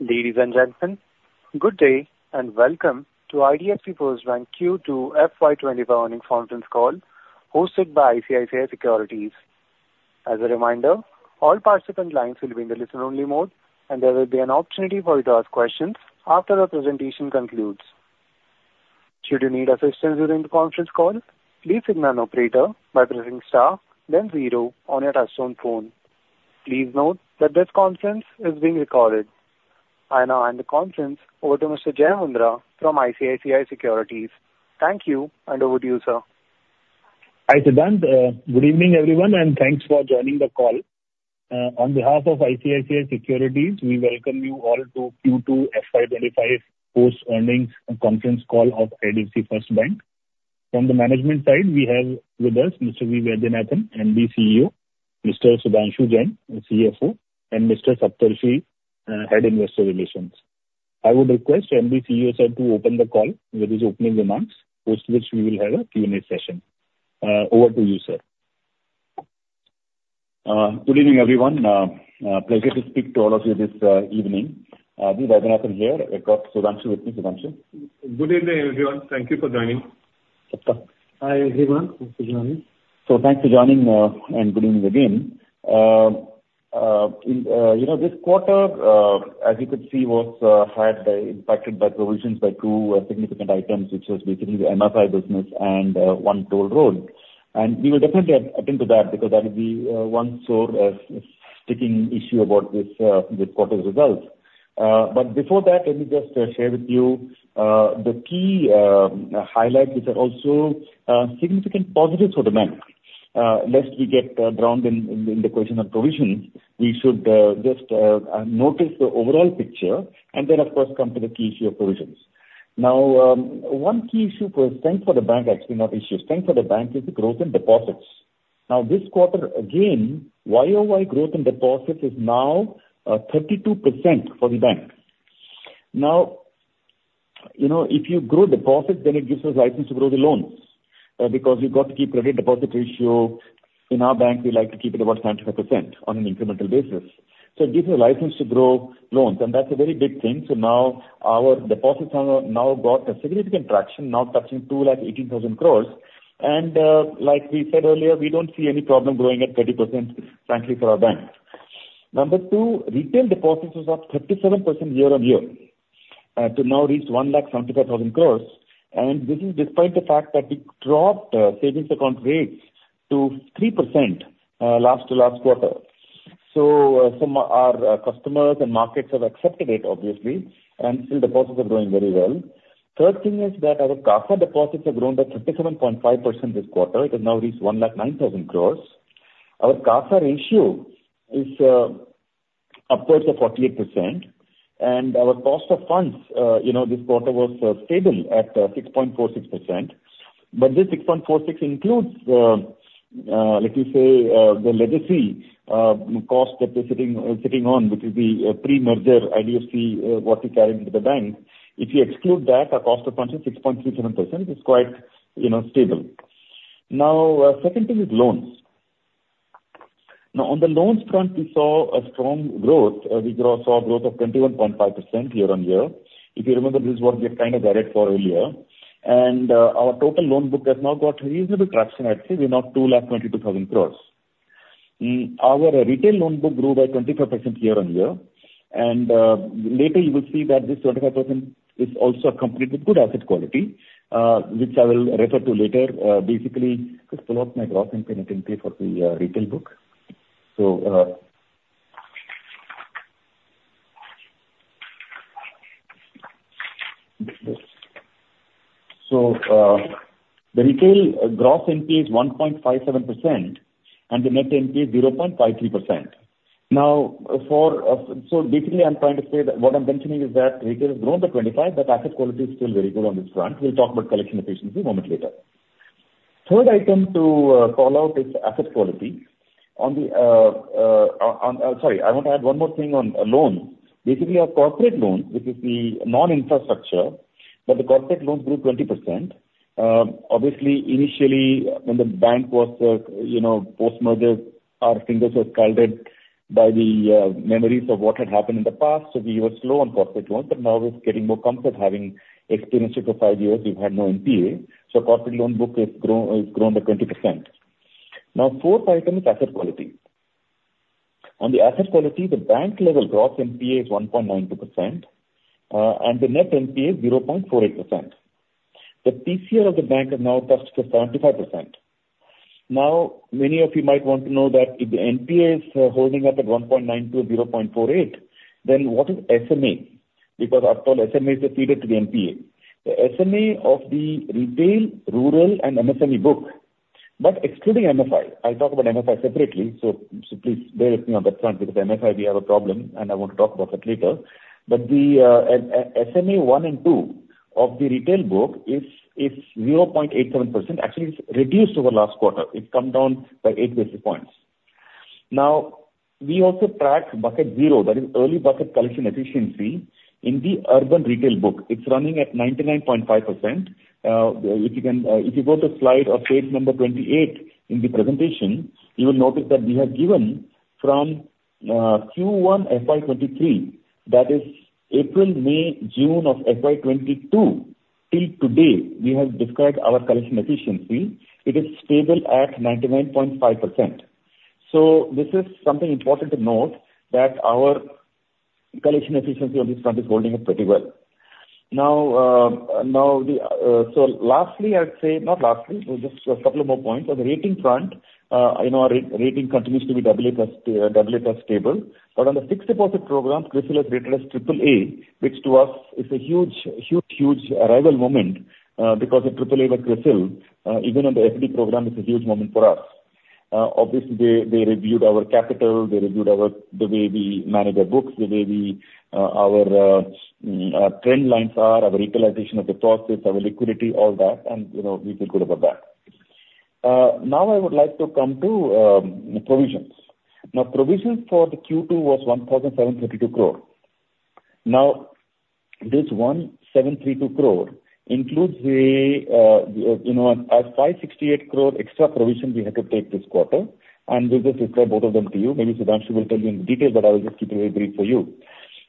Ladies and gentlemen, good day, and welcome to IDFC First Bank Q2 FY twenty-five earnings conference call, hosted by ICICI Securities. As a reminder, all participant lines will be in the listen only mode, and there will be an opportunity for you to ask questions after the presentation concludes. Should you need assistance during the conference call, please signal an operator by pressing star then zero on your touchtone phone. Please note that this conference is being recorded. I now hand the conference over to Mr. Jai Mundhra from ICICI Securities. Thank you, and over to you, sir. Hi, Sudhanshu. Good evening, everyone, and thanks for joining the call. On behalf of ICICI Securities, we welcome you all to Q2 FY twenty-five post earnings conference call of IDFC First Bank. From the management side, we have with us Mr. V. Vaidyanathan, MD CEO, Mr. Sudhanshu Jain, the CFO, and Mr. Saptarshi, Head Investor Relations. I would request MD CEO, sir, to open the call with his opening remarks, post which we will have a Q&A session. Over to you, sir. Good evening, everyone. Pleasure to speak to all of you this evening. V. Vaidyanathan here. I've got Sudhanshu with me. Sudhanshu? Good evening, everyone. Thank you for joining. Saptarshi? Hi, everyone. Thanks for joining. So thanks for joining, and good evening again. In you know, this quarter, as you could see, was hurt by, impacted by provisions by two significant items, which was basically the MFI business and one toll road. And we will definitely attend to that because that is the one sore sticking issue about this quarter's results. But before that, let me just share with you the key highlights, which are also significant positives for the bank. Lest we get drowned in the question of provisions, we should just notice the overall picture and then of course, come to the key issue of provisions. Now, one key issue was strength for the bank actually, not issue, strength for the bank is the growth in deposits. Now, this quarter, again, YOY growth in deposits is 32% for the bank. Now, you know, if you grow deposits, then it gives us license to grow the loans, because we've got to keep credit deposit ratio. In our bank, we like to keep it about 75% on an incremental basis. So it gives you a license to grow loans, and that's a very big thing. So now our deposits are now got a significant traction, now touching 218,000 crore. And, like we said earlier, we don't see any problem growing at 30% frankly for our bank. Number two, retail deposits was up 37% year on year, to now reach 175,000 crore. And this is despite the fact that we dropped savings account rates to 3%, last to last quarter. So some, our, customers and markets have accepted it obviously, and still deposits are growing very well. Third thing is that our CASA deposits have grown by 37.5% this quarter. It has now reached 1.09 lakh crore. Our CASA ratio is upwards of 48%, and our cost of funds, you know, this quarter was stable at 6.46%. But this 6.46% includes, let me say, the legacy cost that is sitting on, which is the pre-merger IDFC what we carried into the bank. If you exclude that, our cost of funds is 6.37%. It's quite, you know, stable. Now, second thing is loans. Now, on the loans front, we saw a strong growth. We saw growth of 21.5% year on year. If you remember, this is what we had kind of guided for earlier. Our total loan book has now got reasonable traction at say, you know, 2 lakh 22 thousand crores. Our retail loan book grew by 25% year on year, and later you will see that this 25% is also accompanied with good asset quality, which I will refer to later. Basically, just pull out my gross NPA for the retail book. So, the retail gross NPA is 1.57%, and the net NPA is 0.53%. Now, basically I'm trying to say that, what I'm mentioning is that retail has grown by 25, but asset quality is still very good on this front. We'll talk about collection efficiency a moment later. Third item to call out is asset quality. Sorry, I want to add one more thing on loans. Basically, our corporate loans, which is the non-infrastructure, but the corporate loans grew 20%. Obviously, initially when the bank was, you know, post-merger, our fingers were scalded by the memories of what had happened in the past, so we were slow on corporate loans, but now we're getting more comfort having experiences. For five years, we've had no NPA, so corporate loan book has grown by 20%. Now, fourth item is asset quality. On the asset quality, the bank level gross NPA is 1.92%, and the net NPA is 0.48%. The PCR of the bank has now touched 75%. Now, many of you might want to know that if the NPA is holding up at 1.92%, 0.48%, then what is SMA? Because after all, SMA is the feeder to the NPA. The SMA of the retail, rural and MSME book, but excluding MFI. I'll talk about MFI separately, so please bear with me on that front because MFI, we have a problem, and I want to talk about that later. But the SMA one and two of the retail book is 0.87%. Actually, it's reduced over last quarter. It's come down by eight basis points. Now, we also track Bucket Zero, that is early bucket collection efficiency in the urban retail book, it's running at 99.5%. If you can, if you go to slide or page number 28 in the presentation, you will notice that we have given from Q1 FY2023, that is April, May, June of FY2022 till today, we have described our collection efficiency. It is stable at 99.5%. So this is something important to note, that our collection efficiency on this front is holding up pretty well. Now, now the, so lastly, I'd say, not lastly, so just a couple of more points. On the rating front, you know, our rating continues to be double A plus, double A plus stable, but on the fixed deposit program, CRISIL has rated us triple A, which to us is a huge, huge, huge arrival moment, because a triple A by CRISIL, even on the FD program, is a huge moment for us. Obviously, they reviewed our capital, they reviewed our, the way we manage our books, the way we, our trend lines are, our utilization of the process, our liquidity, all that, and, you know, we feel good about that. Now I would like to come to provisions. Now, provisions for the Q2 was 1,732 crore. Now, this 1,732 crore includes a, you know, a 568 crore extra provision we had to take this quarter, and we will describe both of them to you. Maybe Sudhanshu will tell you in detail, but I will just keep it very brief for you.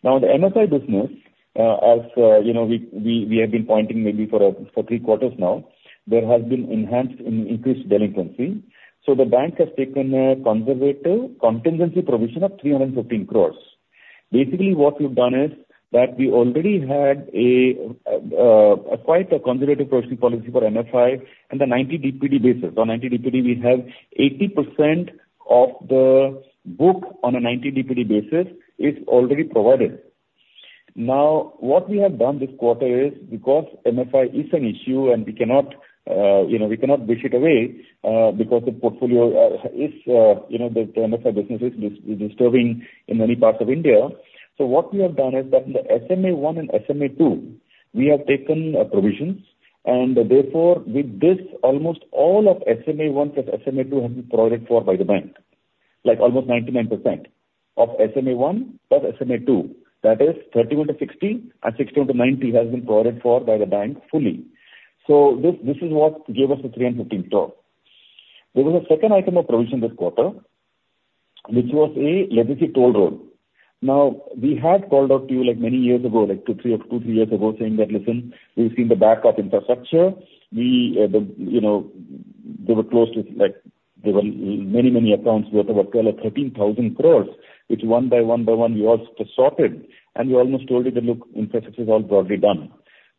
Now, the MFI business, as, you know, we have been pointing maybe for three quarters now, there has been enhanced and increased delinquency, so the bank has taken a conservative contingency provision of 315 crores. Basically, what we've done is that we already had a quite a conservative provisioning policy for MFI and a 90 DPD basis. On 90 DPD, we have 80% of the book on a 90 DPD basis is already provided. Now, what we have done this quarter is, because MFI is an issue and we cannot, you know, we cannot wish it away, because the portfolio is, you know, the MFI business is disturbing in many parts of India. So what we have done is that in the SMA one and SMA two, we have taken provisions, and therefore, with this, almost all of SMA one plus SMA two has been provided for by the bank, like almost 99% of SMA one plus SMA two. That is thirty into sixty, and sixty into ninety, has been provided for by the bank fully. So this is what gave us 315 crore. There was a second item of provision this quarter, which was a legacy toll road. Now, we had called out to you, like, many years ago, like two, three, two, three years ago, saying that, "Listen, we've seen the back of infrastructure." We, the, you know, they were close to, like, there were many, many accounts worth over twelve or thirteen thousand crores, which one by one by one we all just sorted, and we almost told you that, "Look, infrastructure is all broadly done."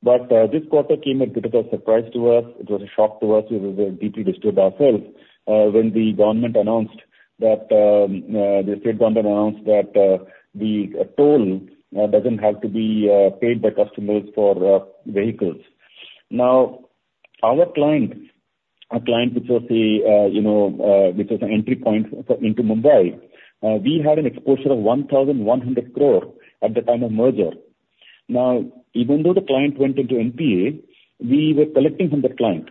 But, this quarter came as a bit of a surprise to us. It was a shock to us. We were, deeply disturbed ourselves, when the government announced that, the state government announced that, the toll doesn't have to be paid by customers for vehicles. Now, our client, which was a you know which was an entry point for into Mumbai, we had an exposure of 1,100 crore at the time of merger. Now, even though the client went into NPA, we were collecting from that client,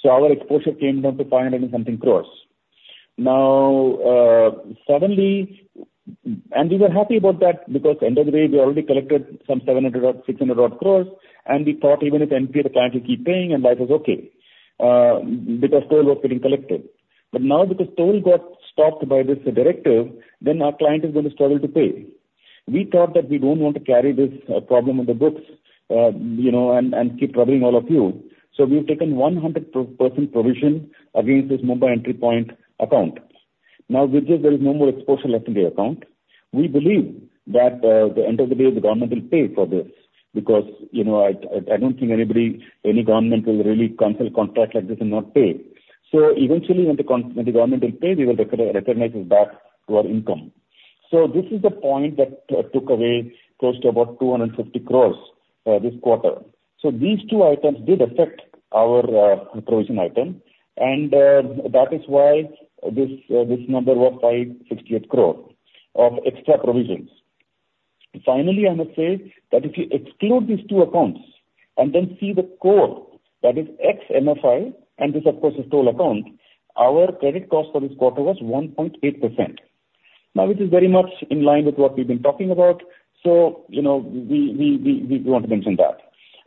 so our exposure came down to 500-something crores. Now, suddenly, and we were happy about that because end of the day, we already collected some 700 or 600-odd crores, and we thought even if NPA, the client will keep paying, and life is okay, because toll was getting collected. But now because toll got stopped by this directive, then our client is going to struggle to pay. We thought that we don't want to carry this problem on the books, you know, and keep troubling all of you. So we've taken 100% provision against this Mumbai Entry Point account. Now, with this, there is no more exposure left in the account. We believe that, the end of the day, the government will pay for this, because, you know, I don't think anybody, any government will really cancel a contract like this and not pay. So eventually, when the government will pay, we will recognize this back to our income. So this is the point that took away close to about 250 crores, this quarter. So these two items did affect our provision item, and that is why this number was 568 crore of extra provisions. Finally, I must say that if you exclude these two accounts and then see the core, that is ex-MFI, and this, of course, is toll account, our credit cost for this quarter was 1.8%. Now, this is very much in line with what we've been talking about, so, you know, we want to mention that.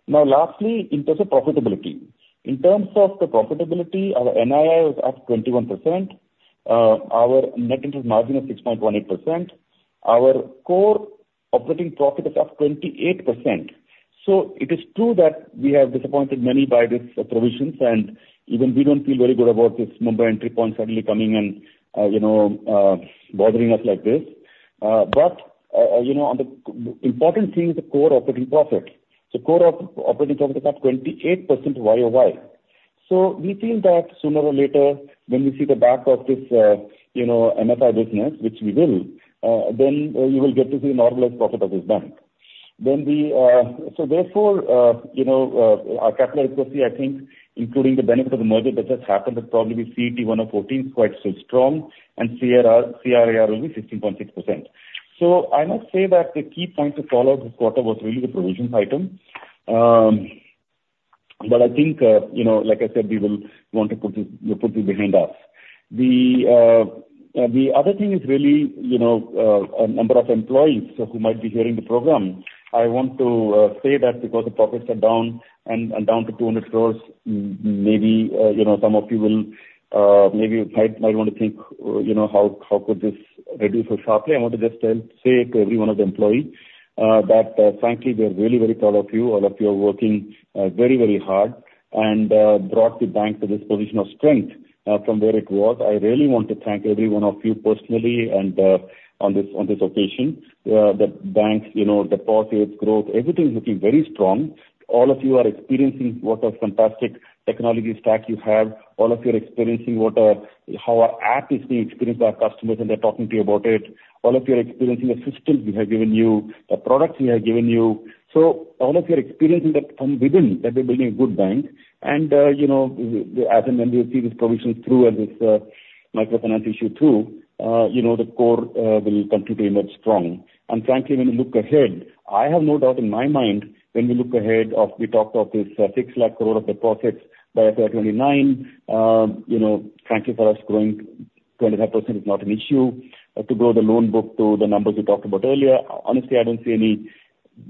Now, lastly, in terms of profitability. In terms of the profitability, our NII was up 21%, our net interest margin was 6.18%, our core operating profit is up 28%. So it is true that we have disappointed many by this provisions, and even we don't feel very good about this Mumbai Entry Point suddenly coming and, you know, bothering us like this. But, you know, on the most important thing is the core operating profit. Core operating profit is up 28% YOY. So we feel that sooner or later, when we see the back of this, you know, MFI business, which we will, then you will get to see normalized profit of this bank. So therefore, you know, our capital efficiency, I think, including the benefit of the merger that just happened, it'll probably be CET1 of 14, quite so strong, and CRR, CAR will be 16.6%. So I must say that the key point to call out this quarter was really the provisions item. But I think, you know, like I said, we will want to put it behind us. The other thing is really, you know, a number of employees who might be hearing the program. I want to say that because the profits are down and down to 200 crores, maybe, you know, some of you will maybe might want to think, you know, how could this reduce so sharply? I want to just say to every one of the employee that, frankly, we are really very proud of you. All of you are working very, very hard and brought the bank to this position of strength from where it was. I really want to thank every one of you personally and on this occasion. The bank's, you know, deposits growth, everything is looking very strong. All of you are experiencing what a fantastic technology stack you have. All of you are experiencing what our, how our app is being experienced by our customers, and they're talking to you about it. All of you are experiencing the systems we have given you, the products we have given you. All of you are experiencing that from within, that we're building a good bank. You know, as and when we see this provision through and this microfinance issue, too, you know, the core will continue to emerge strong. Frankly, when you look ahead, I have no doubt in my mind when we look ahead of, we talked of this six lakh crore of deposits by FY 2029. You know, frankly, for us, growing 25% is not an issue. To grow the loan book to the numbers we talked about earlier, honestly, I don't see any,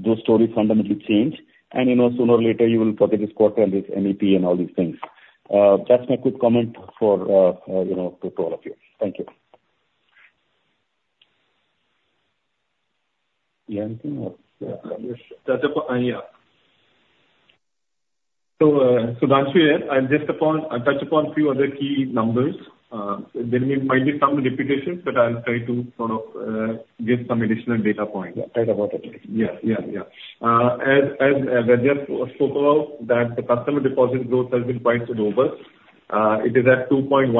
those stories fundamentally change. And, you know, sooner or later, you will forget this quarter and this MEP and all these things. That's my quick comment for, you know, to all of you. Thank you. You have anything else? Yes. That's a, yeah. So, to answer you, I'll touch upon a few other key numbers. There might be some repetitions, but I'll try to sort of give some additional data points. Yeah, go ahead. Yeah, yeah, yeah. As V.V. spoke about, that the customer deposit growth has been quite robust. It is at 2.18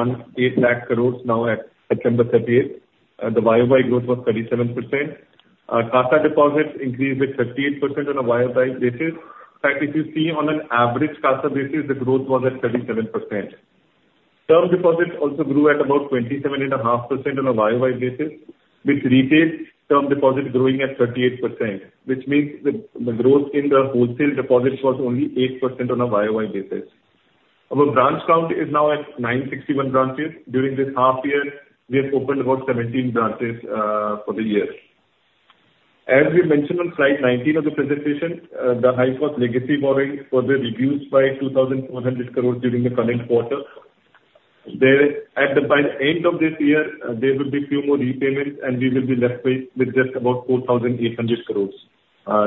lakh crores now at September thirtieth, and the YOY growth was 37%. CASA deposits increased by 38% on a YOY basis. In fact, if you see on an average CASA basis, the growth was at 37%. Term deposits also grew at about 27.5% on a YOY basis, with retail term deposits growing at 38%, which means the growth in the wholesale deposits was only 8% on a YOY basis. Our branch count is now at 961 branches. During this half year, we have opened about 17 branches for the year. As we mentioned on slide 19 of the presentation, the HYPOS legacy borrowing further reduced by 2,400 crore during the current quarter. By the end of this year, there will be a few more repayments, and we will be left with just about 4,800 crore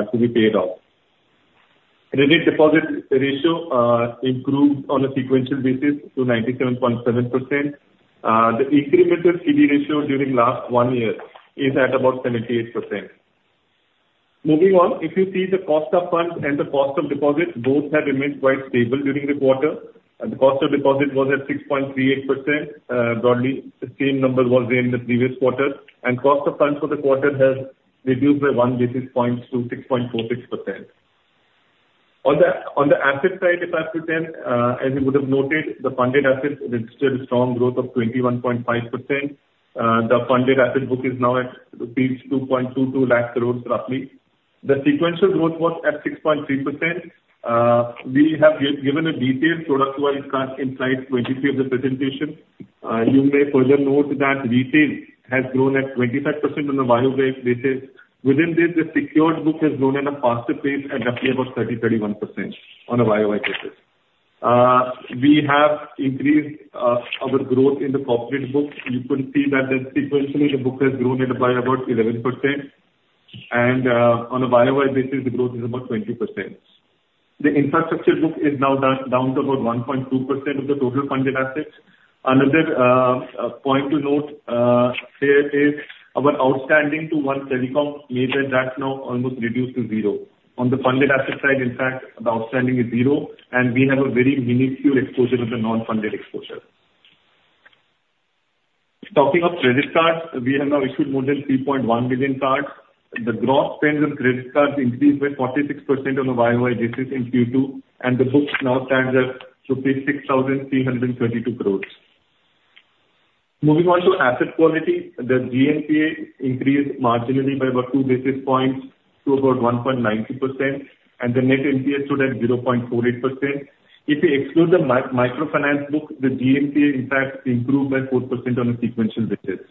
to be paid off. Credit deposit ratio improved on a sequential basis to 97.7%. The incremental CD ratio during last one year is at about 78%. Moving on, if you see the cost of funds and the cost of deposits, both have remained quite stable during the quarter, and the cost of deposit was at 6.38%. Broadly, the same number was there in the previous quarter, and cost of funds for the quarter has reduced by one basis point to 6.46%. On the asset side, if I present, as you would have noted, the funded assets registered strong growth of 21.5%. The funded asset book is now at, reached 2.22 lakh crores roughly. The sequential growth was at 6.3%. We have given a detailed product-wise in slide 23 of the presentation. You may further note that retail has grown at 25% on a YOY basis. Within this, the secured book has grown at a faster pace, at roughly about 30-31% on a YOY basis. We have increased our growth in the corporate book. You could see that sequentially, the book has grown by about 11%. And on a YOY basis, the growth is about 20%. The infrastructure book is now down to about 1.2% of the total funded assets. Another point to note here is our outstanding to one telecom major, that's now almost reduced to zero. On the funded asset side, in fact, the outstanding is zero, and we have a very minuscule exposure to the non-funded exposure. Talking of credit cards, we have now issued more than 3.1 million cards. The gross spends on credit cards increased by 46% on a YOY basis in Q2, and the books now stand at rupees 6,332 crore. Moving on to asset quality, the GNPA increased marginally by about two basis points to about 1.90%, and the net NPA stood at 0.48%. If you exclude the microfinance book, the GNPA in fact improved by 4% on a sequential basis.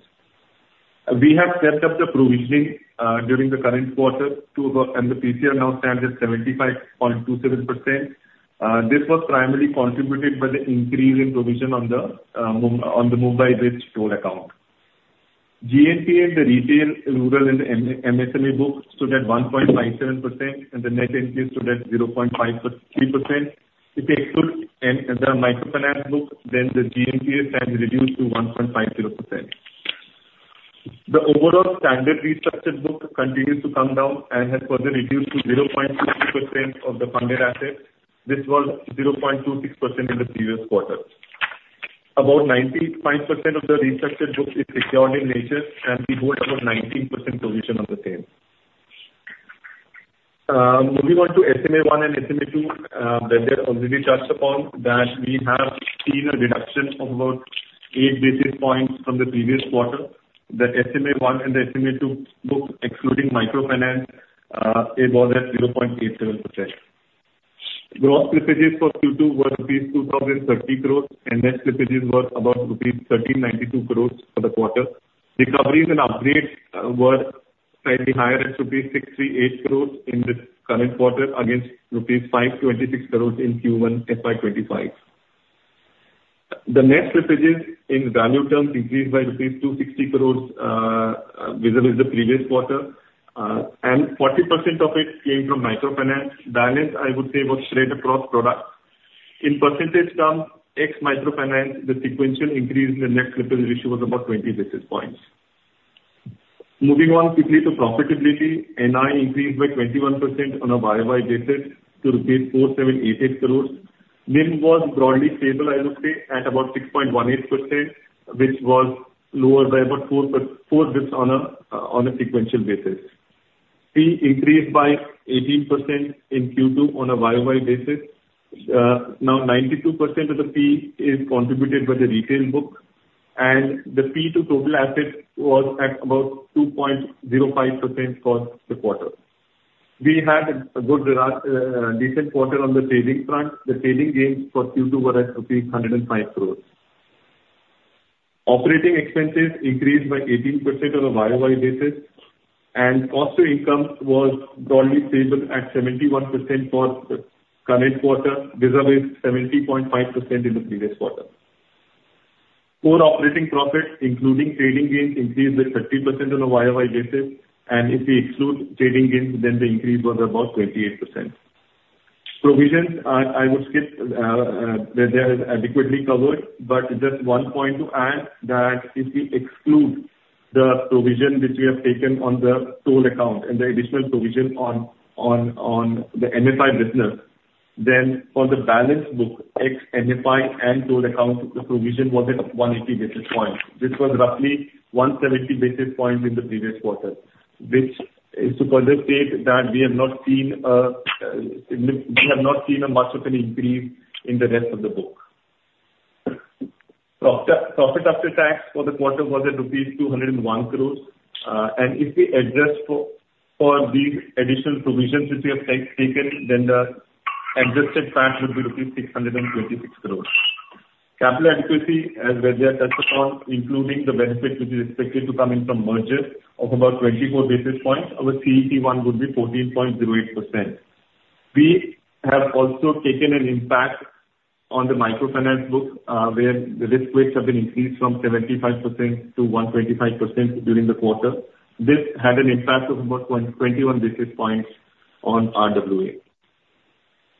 We have stepped up the provisioning during the current quarter to about, and the PCR now stands at 75.27%. This was primarily contributed by the increase in provision on the Mumbai-based toll account. GNPA in the retail, rural and MSME book stood at 1.57%, and the net NPA stood at 0.53%. If you exclude the microfinance book, then the GNPA stands reduced to 1.50%. The overall standard restructured book continues to come down and has further reduced to 0.26% of the funded assets. This was 0.26% in the previous quarter. About 95% of the restructured book is secured in nature, and we hold about 19% provision on the same. Moving on to SMA one and SMA two, Rajeev already touched upon, that we have seen a reduction of about eight basis points from the previous quarter. The SMA one and the SMA two book excluding microfinance, it was at 0.87%. Gross slippages for Q2 were rupees 2,030 crores, and net slippages were about rupees 1,392 crores for the quarter. Recoveries and upgrades were slightly higher at rupees 638 crores in the current quarter against rupees 526 crores in Q1 FY 2025. The net slippages in value terms increased by rupees 260 crores vis-a-vis the previous quarter, and 40% of it came from microfinance. Balance, I would say, was spread across products. In percentage terms, ex microfinance, the sequential increase in the net slippage ratio was about 20 basis points. Moving on quickly to profitability, NI increased by 21% on a YOY basis to rupees 4,788 crores. NIM was broadly stable, I would say, at about 6.18%, which was lower by about four basis points on a sequential basis. Fee increased by 18% in Q2 on a YOY basis. Now, 92% of the fee is contributed by the retail book, and the fee to total assets was at about 2.05% for the quarter. We had a good, decent quarter on the trading front. The trading gains for Q2 were at rupees 105 crores. Operating expenses increased by 18% on a YOY basis, and cost to income was broadly stable at 71% for the current quarter, vis-a-vis 70.5% in the previous quarter. Core operating profits, including trading gains, increased by 30% on a YOY basis, and if we exclude trading gains, then the increase was about 28%. Provisions, I would skip, they are adequately covered, but just one point to add, that if we exclude the provision which we have taken on the toll account and the additional provision on the MFI business, then for the balance book, ex MFI and toll accounts, the provision was at 180 basis points. This was roughly 170 basis points in the previous quarter, which is to consolidate that we have not seen a much of an increase in the rest of the book. Profit after tax for the quarter was at rupees 201 crores, and if we adjust for these additional provisions which we have taken, then the adjusted tax would be rupees 626 crores. Capital adequacy, as Vaidyanathan touched upon, including the benefit which is expected to come in from merger of about twenty-four basis points, our CET1 would be 14.08%. We have also taken an impact on the microfinance book, where the risk weights have been increased from 75% to 125% during the quarter. This had an impact of about 121 basis points on RWA.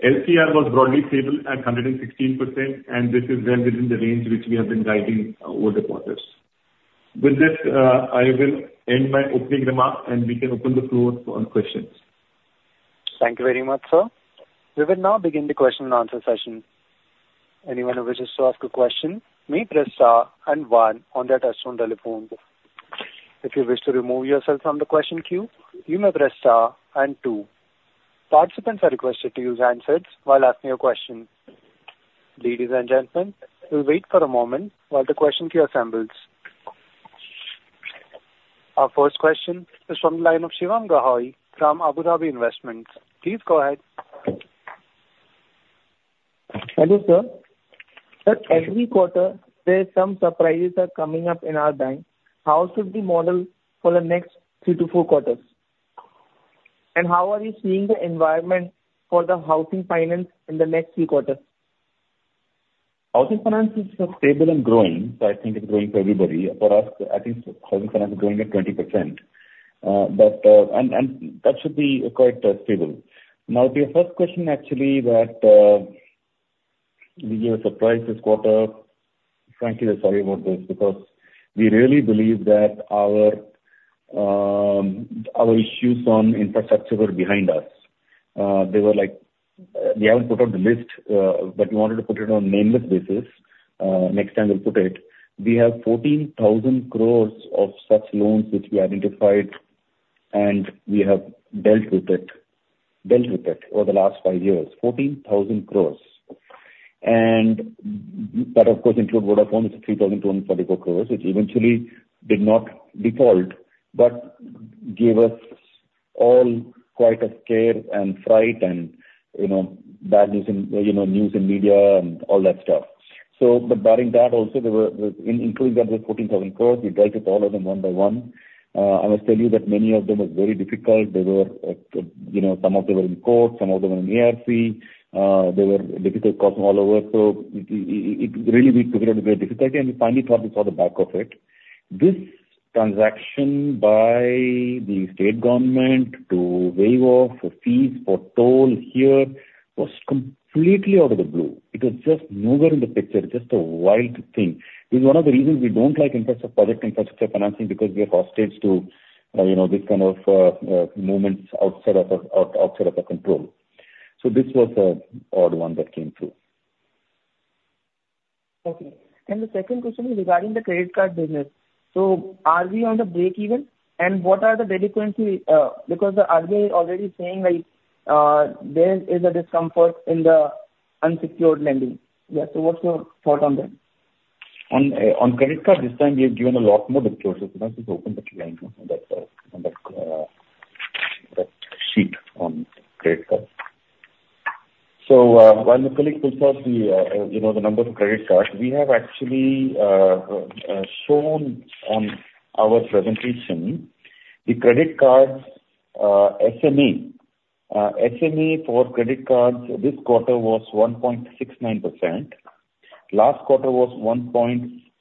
LCR was broadly stable at 116%, and this is well within the range which we have been guiding over the quarters. With this, I will end my opening remarks, and we can open the floor for any questions. Thank you very much, sir. We will now begin the question and answer session. Anyone who wishes to ask a question, may press star and one on their touchtone telephone. If you wish to remove yourself from the question queue, you may press star and two. Participants are requested to use handsets while asking a question. Ladies and gentlemen, we'll wait for a moment while the question queue assembles. Our first question is from the line of Shivang Rahoi from Abu Dhabi Investments. Please go ahead. Hello, sir. Sir, every quarter there are some surprises coming up in our bank. How should we model for the next three to four quarters? And how are you seeing the environment for the housing finance in the next three quarters? Housing finance is stable and growing, so I think it's growing for everybody. For us, I think housing finance is growing at 20% but that should be quite stable. Now, to your first question, actually, that we gave a surprise this quarter. Frankly, we're sorry about this, because we really believe that our issues on infrastructure were behind us. They were like. We haven't put out the list, but we wanted to put it on nameless basis. Next time we'll put it. We have 14,000 crores of such loans, which we identified, and we have dealt with it over the last five years, 14,000 crores. That, of course, include Vodafone. It's 3,244 crores, which eventually did not default, but gave us all quite a scare and fright and, you know, bad news in, you know, news in media and all that stuff. So, but barring that, also, there were, including that, 14,000 crores. We dealt with all of them one by one. I must tell you that many of them were very difficult. They were, you know, some of them were in court, some of them were in ARC. They were difficult customers all over. So it really we took it at a great difficulty, and we finally thought we saw the back of it. This transaction by the state government to waive off the fees for toll here was completely out of the blue. It was just nowhere in the picture, just a wild thing. This is one of the reasons we don't like infrastructure, project infrastructure financing, because we are hostages to, you know, this kind of movements outside of our control. So this was an odd one that came through. Okay. And the second question is regarding the credit card business. So are we on the break-even? And what are the delinquency, because the RBI is already saying, like, there is a discomfort in the unsecured lending. Yeah, so what's your thought on that? On credit card, this time we have given a lot more details, so let us open that line on that sheet on credit card. So, while my colleague pulls out the, you know, the number of credit cards, we have actually shown on our presentation the credit cards SMA. SMA for credit cards this quarter was 1.69%, last quarter was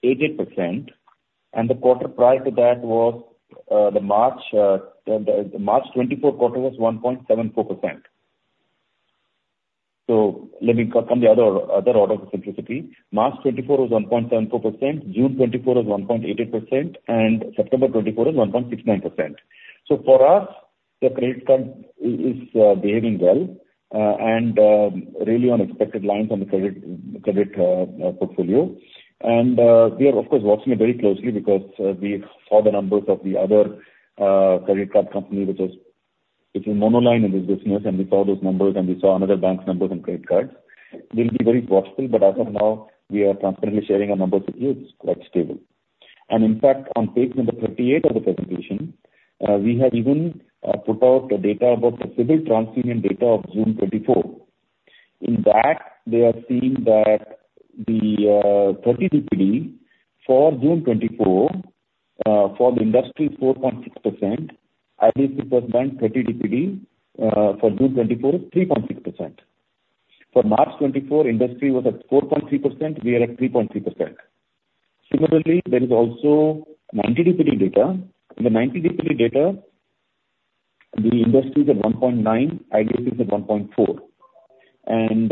1.80%, and the quarter prior to that was, the March 2024 quarter was 1.74%. So let me come to the other order of specificity. March 2024 was 1.74%, June 2024 was 1.80%, and September 2024 is 1.69%. So for us, the credit card is behaving well, and really on expected lines on the credit portfolio. And we are of course watching it very closely because we saw the numbers of the other credit card company, which was. It's a monoline in this business, and we saw those numbers, and we saw another bank's numbers and credit cards. We'll be very watchful, but as of now, we are transparently sharing our numbers with you; it's quite stable. And in fact, on page number 38 of the presentation, we have even put out the data about the CIBIL TransUnion data of June 2024. In that, they are seeing that the 30 DPD for June 2024 for the industry, 4.6%, ICICI Bank 30 DPD for June 2024, 3.6%. For March 2024, industry was at 4.3%, we are at 3.3%. Similarly, there is also ninety DPD data. In the ninety DPD data, the industry is at 1.9%, ICICI is at 1.4%. And,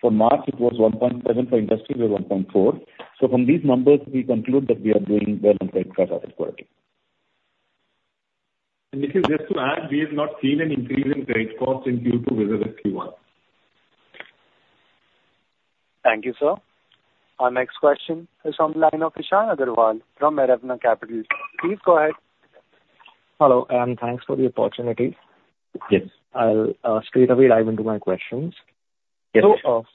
for March, it was 1.7%, for industry was 1.4%. So from these numbers, we conclude that we are doing well on credit card portfolio. Nikhil, just to add, we have not seen an increase in credit cost in Q2 versus Q1. Thank you, sir. Our next question is from the line of Ishan Agarwal from Nirvana Capital. Please go ahead. Hello, and thanks for the opportunity. Yes. I'll straightaway dive into my questions. Yes.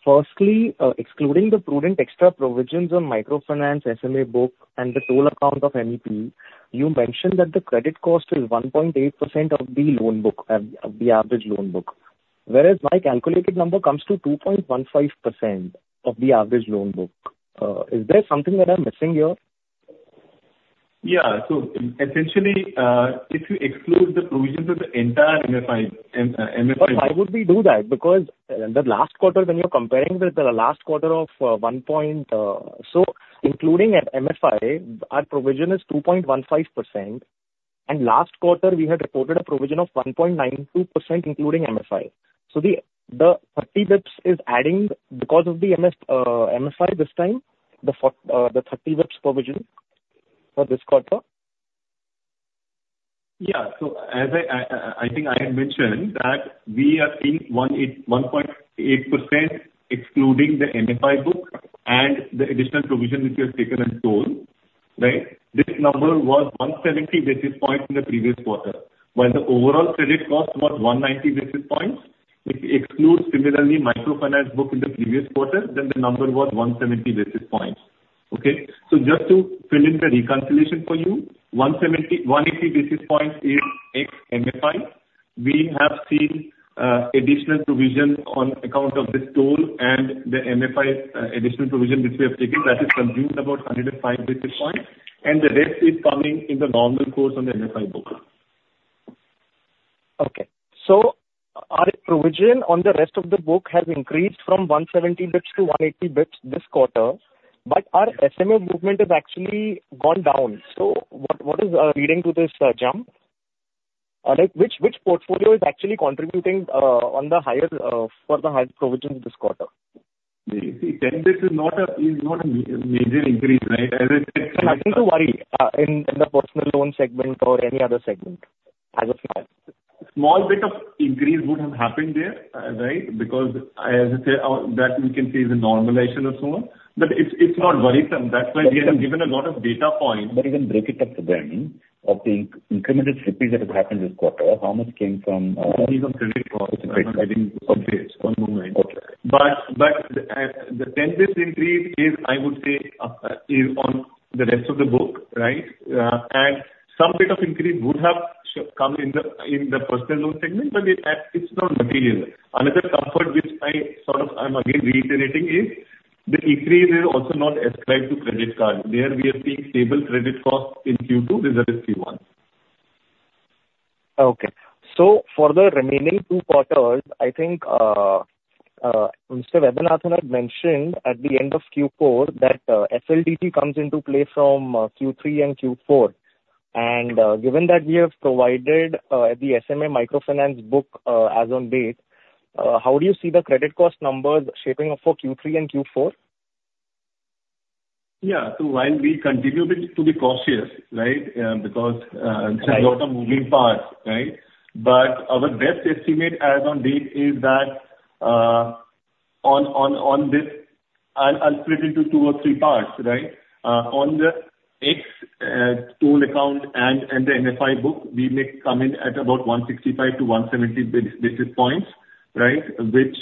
Firstly, excluding the prudent extra provisions on microfinance SMA book and the toll account of MEP, you mentioned that the credit cost is 1.8% of the loan book, of the average loan book. Whereas my calculated number comes to 2.15% of the average loan book. Is there something that I'm missing here? Yeah. So essentially, if you exclude the provisions of the entire MFI. But why would we do that? Because, the last quarter, when you're comparing with the last quarter of one point. So including MFI, our provision is 2.15%, and last quarter we had reported a provision of 1.92%, including MFI. So the 30 basis points is adding because of the MFI this time, the 30 basis points provision for this quarter? Yeah. So as I think I had mentioned, that we are seeing 1.8, 1.8%, excluding the MFI book and the additional provision which we have taken in toll, right? This number was 170 basis points in the previous quarter, while the overall credit cost was 190 basis points. If you exclude, similarly, microfinance book in the previous quarter, then the number was 170 basis points. Okay? So just to fill in the reconciliation for you, 170, 180 basis points is ex MFI. We have seen additional provision on account of this toll, and the MFI additional provision which we have taken, that is consumed about 105 basis points, and the rest is coming in the normal course on the MFI book. Okay. So our provision on the rest of the book has increased from 170 basis points to 180 basis points this quarter, but our SMA movement has actually gone down. So what is leading to this jump? Like which portfolio is actually contributing on the higher for the higher provision this quarter? Yeah, you see, ten basis points is not a major increase, right? As I said- And nothing to worry, in the personal loan segment or any other segment as of now? Small bit of increase would have happened there, right? Because, as I said, that we can say is a normalization of sort, but it's, it's not worrisome. That's why we have given a lot of data points- But even break it up again, of the incremental slippage that has happened this quarter, how much came from? Only from credit cost. Okay. But the ten basis points increase is, I would say, on the rest of the book, right? And some bit of increase would have come in the personal loan segment, but it's not material. Another comfort which I sort of, I'm again reiterating, is the increase is also not ascribed to credit card. There we are seeing stable credit card cost in Q2 versus Q1. Okay. So for the remaining two quarters, I think, Mr. Vaidyanathan had mentioned at the end of Q4 that FLDG comes into play from Q3 and Q4. And given that we have provided the SMA microfinance book as on date, how do you see the credit cost numbers shaping up for Q3 and Q4? Yeah. So while we continue to be cautious, right? Because... Right. There's a lot of moving parts, right? But our best estimate as on date is that. I'll split into two or three parts, right? On the MEP toll account and the MFI book, we may come in at about 165-170 basis points, right? Which,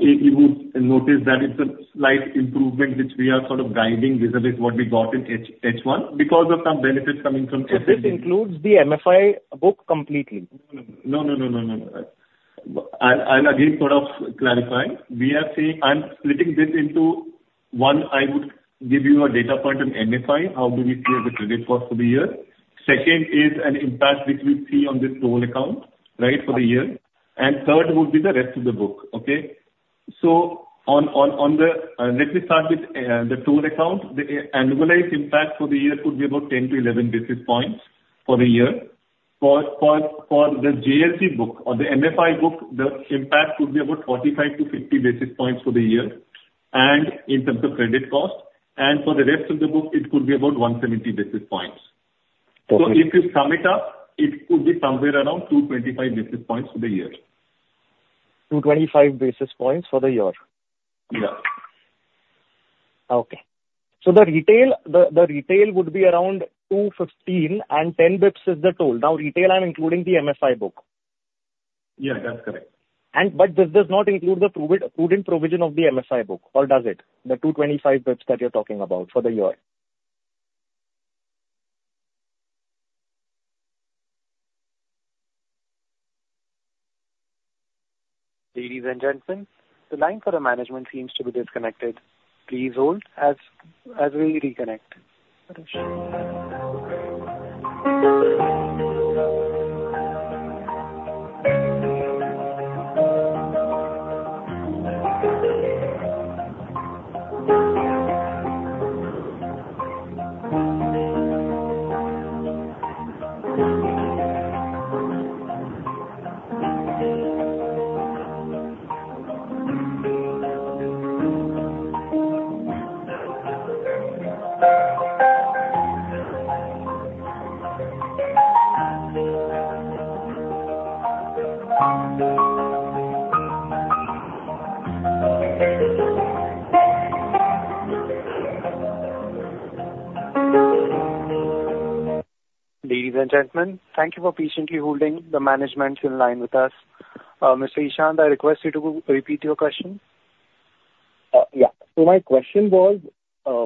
if you would notice that it's a slight improvement which we are sort of guiding vis-a-vis what we got in H1 because of some benefits coming from- So this includes the MFI book completely? No, no, no, no, no, no, no. I'll again sort of clarify. We are saying I'm splitting this into, one, I would give you a data point on MFI, how do we see the credit cost for the year? Second is an impact which we see on this toll account, right, for the year, and third would be the rest of the book, okay? So on the, let me start with the toll account. The annualized impact for the year could be about 10-11 basis points for the year. For the JLG book or the MFI book, the impact could be about 45-50 basis points for the year, and in terms of credit cost, and for the rest of the book, it could be about 170 basis points. Okay. So if you sum it up, it could be somewhere around 225 basis points for the year. Two twenty-five basis points for the year? Yeah. Okay. So the retail would be around two fifteen, and ten basis points is the toll. Now, retail, I'm including the MFI book. Yeah, that's correct. But this does not include the prudent provision of the MFI book, or does it? The two twenty-five basis points that you're talking about for the year. Ladies and gentlemen, the line for the management seems to be disconnected. Please hold as we reconnect. Ladies and gentlemen, thank you for patiently holding. The management is in line with us. Mr. Ishan, I request you to re-repeat your question. My question was,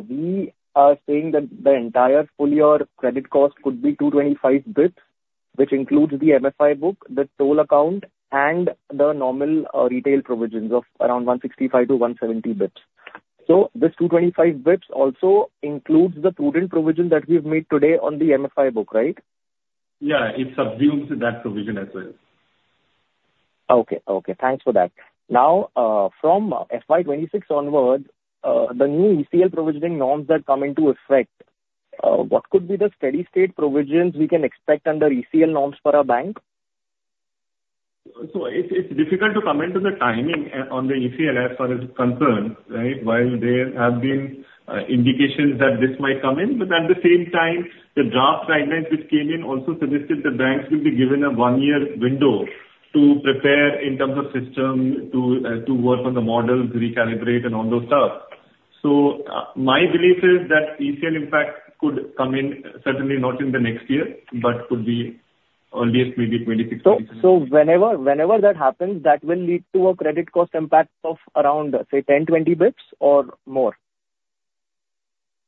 we are saying that the entire full year credit cost could be 225 basis points, which includes the MFI book, the toll account, and the normal retail provisions of around 165-170 basis points. This 225 basis points also includes the prudent provision that we've made today on the MFI book, right? Yeah, it subsumes that provision as well. Okay. Okay, thanks for that. Now, from FY 2026 onwards, the new ECL provisioning norms that come into effect, what could be the steady state provisions we can expect under ECL norms for our bank? So it's difficult to comment on the timing on the ECL, as far as it's concerned, right? While there have been indications that this might come in, but at the same time, the draft guidelines which came in also suggested the banks will be given a one-year window to prepare in terms of system, to work on the models, recalibrate and all those stuff. My belief is that ECL impact could come in, certainly not in the next year, but could be earliest, maybe 2026. Whenever that happens, that will lead to a credit cost impact of around, say, ten, twenty basis points or more?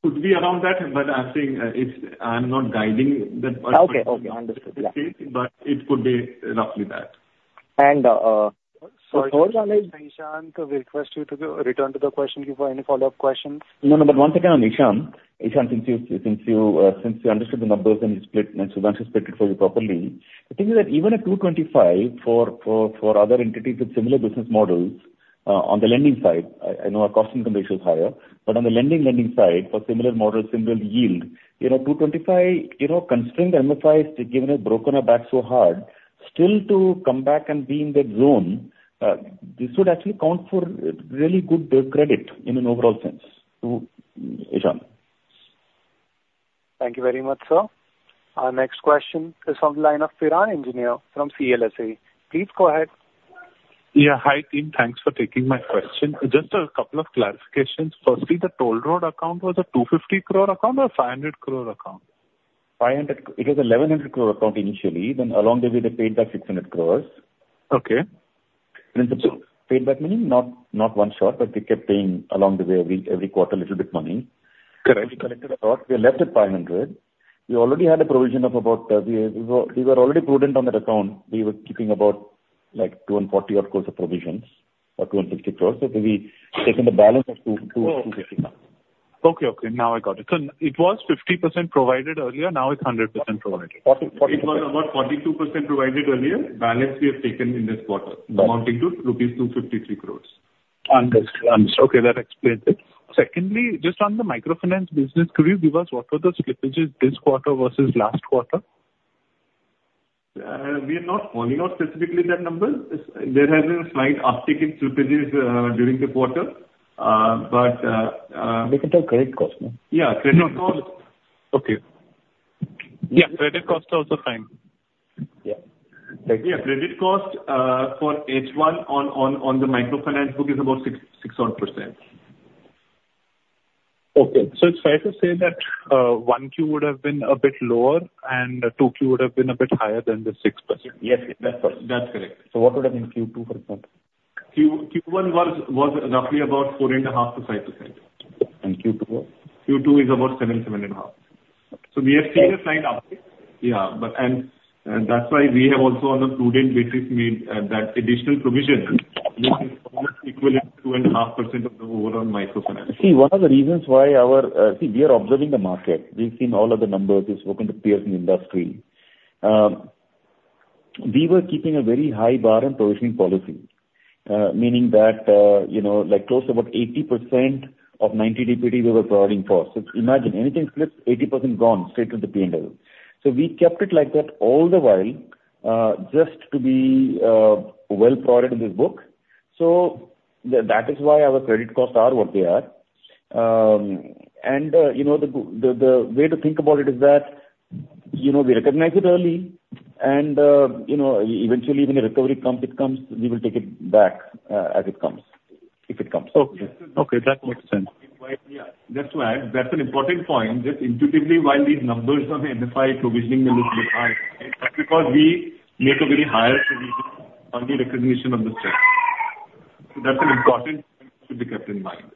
Could be around that, but I'm saying, it's... I'm not guiding that. Okay. Okay, understood. Yeah. But it could be roughly that. So third one is- Ishan, we request you to return to the question before any follow-up questions. No, no, but once again on Ishan. Ishan, since you understood the numbers and you split, and Sudhanshu has split it for you properly, the thing is that even at two twenty-five, for other entities with similar business models, on the lending side, I know our cost income ratio is higher, but on the lending side, for similar models, similar yield, you know, two twenty-five, you know, constrained MFIs, they've given and broken our back so hard, still to come back and be in that zone, this would actually count for really good credit in an overall sense to Ishan. Thank you very much, sir. Our next question is on the line of Piran Engineer from CLSA. Please go ahead. Yeah. Hi, team. Thanks for taking my question. Just a couple of clarifications. Firstly, the toll road account, was it 250 crore account or 500 crore account? 500. It was 1,100 crore account initially, then along the way, they paid back 600 crores. Okay. In terms of paid back meaning, not one shot, but they kept paying along the way, every quarter, little bit money. Correct. We collected a lot. We are left with 500 crore. We already had a provision of about. We were already prudent on that account. We were keeping about, like, 240-odd crore of provisions or 250 crore. So we've taken the balance of 250 crore. Okay. Okay, now I got it. So it was 50% provided earlier, now it's 100% provided? Forty, forty- It was about 42% provided earlier, balance we have taken in this quarter, amounting to rupees 253 crores. Understood. Understood. Okay, that explains it. Secondly, just on the microfinance business, could you give us what were the slippages this quarter versus last quarter? We are not calling out specifically that number. There has been a slight uptick in slippages during the quarter, but We can take credit cost, no? Yeah, credit cost- Okay.... Yeah, credit cost also fine. Yeah. Thank you. Yeah, credit cost for H1 on the microfinance book is about 6, 6 odd %. Okay. So it's fair to say that 1Q would have been a bit lower and 2Q would have been a bit higher than the 6%? Yes, that's correct. So what would have been Q2, for example? Q1 was roughly about 4.5-5%. And Q2? Q2 is about 7-7.5. So we have seen a slight uptick. Yeah. But, and that's why we have also, on a prudent basis, made that additional provision, which is almost equivalent to 2.5% of the overall microfinance. See, one of the reasons why our... See, we are observing the market. We've seen all of the numbers. We've spoken to peers in the industry. We were keeping a very high bar in provisioning policy, meaning that, you know, like, close to about 80% of 90 DPD, we were providing for. So imagine anything slips, 80% gone straight to the P&L. So we kept it like that all the while, just to be well-provided in this book. So that is why our credit costs are what they are, and you know, the way to think about it is that, you know, we recognize it early, and you know, eventually when a recovery comes, it comes, we will take it back, as it comes, if it comes. Okay. Okay, that makes sense. Yeah. Just to add, that's an important point, that intuitively, while these numbers from MFI provisioning them is high, it's because we make a very high provision on the recognition of the stress. That's an important point to be kept in mind.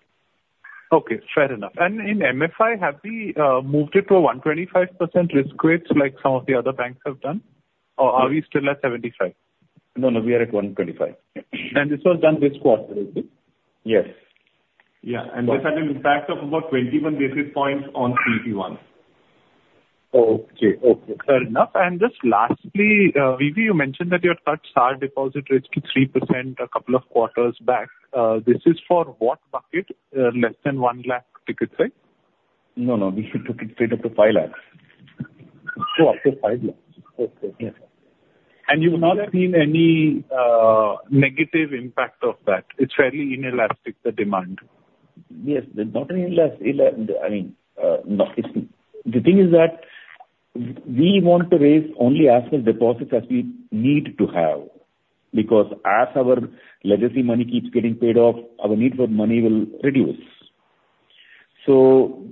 Okay, fair enough. And in MFI, have we moved it to a 125% risk weight, like some of the other banks have done? Or are we still at 75? No, no, we are at 125. And this was done this quarter, is it? Yes. Yeah, and this had an impact of about 21 basis points on CET1. Okay. Okay, fair enough. And just lastly, VV, you mentioned that you had cut our deposit rates to 3% a couple of quarters back. This is for what bucket? Less than one lakh tickets, right? No, no, we took it straight up to five lakhs. So up to five lakhs. Okay. Yes. And you've not seen any negative impact of that? It's fairly inelastic, the demand. Yes. I mean, no, it's the thing is that we want to raise only as much deposits as we need to have, because as our legacy money keeps getting paid off, our need for money will reduce. So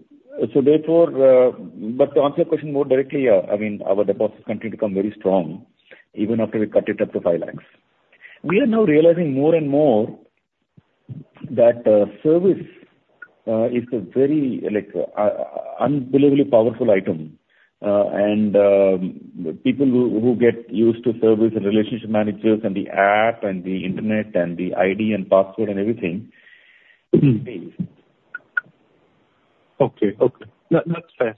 therefore, but to answer your question more directly, I mean, our deposits continue to come very strong, even after we cut it up to five lakhs. We are now realizing more and more that service is a very like unbelievably powerful item. And people who get used to service and relationship managers and the app and the internet and the ID and password and everything. Okay. Okay, that, that's fair.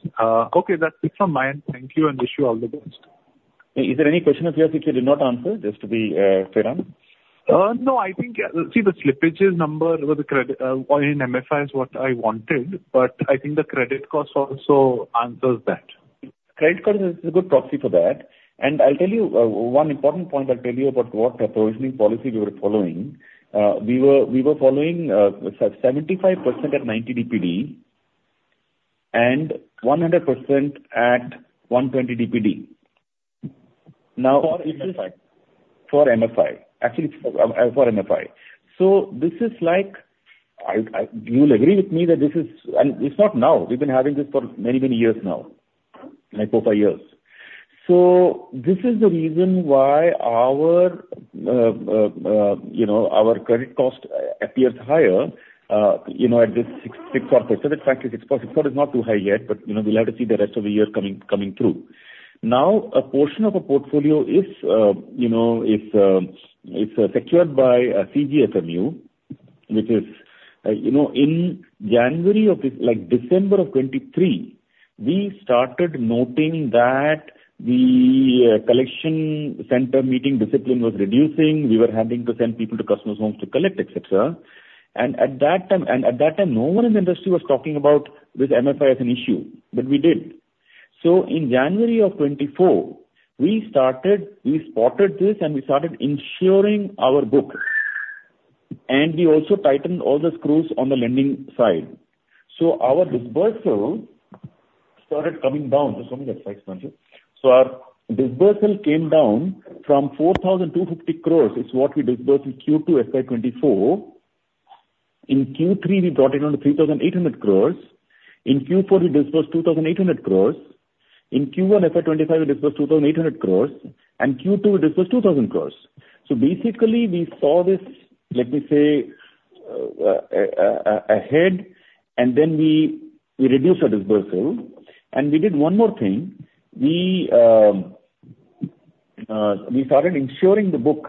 Okay, that's it from my end. Thank you, and wish you all the best. Is there any question of yours which I did not answer, just to be, fair on? No, I think, see, the slippages number with the credit, or in MFIs what I wanted, but I think the credit cost also answers that. Credit cost is a good proxy for that. And I'll tell you one important point about what provisioning policy we were following. We were following 75% at 90 DPD and 100% at 120 DPD. For MFI? For MFI. Actually, it's for MFI. So this is like... I, you'll agree with me that this is... And it's not now. We've been having this for many, many years now, like four, five years. So this is the reason why our, you know, our credit cost appears higher, you know, at this 6.6% odd. It's actually 6.6. 6.6 is not too high yet, but, you know, we'll have to see the rest of the year coming through. Now, a portion of our portfolio is, you know, secured by a CGSMU, which is, you know, in January of this, like, December of 2023, we started noting that the collection center meeting discipline was reducing. We were having to send people to customers' homes to collect, et cetera. And at that time, no one in the industry was talking about this MFI as an issue, but we did. So in January of 2024, we started, we spotted this, and we started insuring our book, and we also tightened all the screws on the lending side. So our disbursal started coming down. So our disbursal came down from 4,250 crores, is what we dispersed in Q2 FY 2024. In Q3, we brought it down to 3,800 crores. In Q4, we dispersed 2,800 crores. In Q1 FY 2025, we dispersed 2,800 crores, and Q2, we dispersed 2,000 crores. So basically, we saw this, let me say, ahead, and then we reduced our disbursal. And we did one more thing. We started insuring the book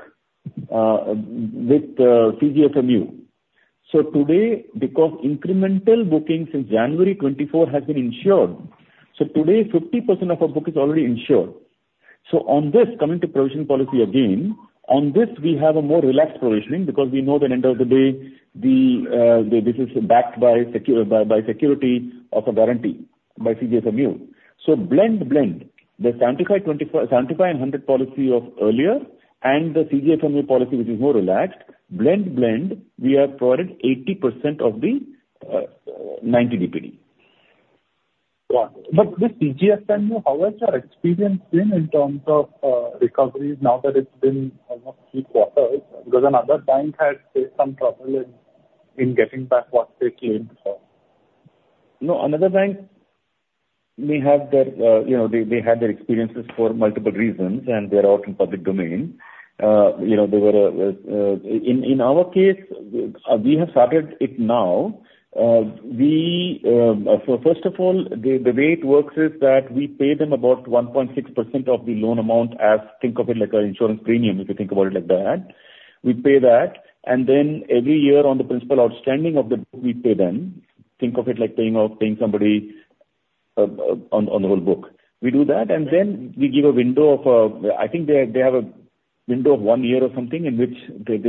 with CGFMU. So today, because incremental bookings since January 2024 have been insured, so today, 50% of our book is already insured. So on this, coming to provisioning policy again, on this, we have a more relaxed provisioning because we know that at the end of the day, the business is backed by security of a guarantee by CGFMU. So blend, the 75, 24, 75 and 100 policy of earlier and the CGSMU policy, which is more relaxed, blend, we have provided 80% of the book, 90 DPD. Right. But with CGSMU, how has your experience been in terms of recovery now that it's been almost three quarters? Because another bank had faced some trouble in getting back what they claimed for. No, another bank may have their, you know, they had their experiences for multiple reasons, and they're out in public domain. You know, in our case, we have started it now. So first of all, the way it works is that we pay them about 1.6% of the loan amount, as think of it like an insurance premium, if you think about it like that. We pay that, and then every year on the principal outstanding of the book, we pay them. Think of it like paying off, paying somebody on the whole book. We do that, and then we give a window of... I think they have a window of one year or something, in which there's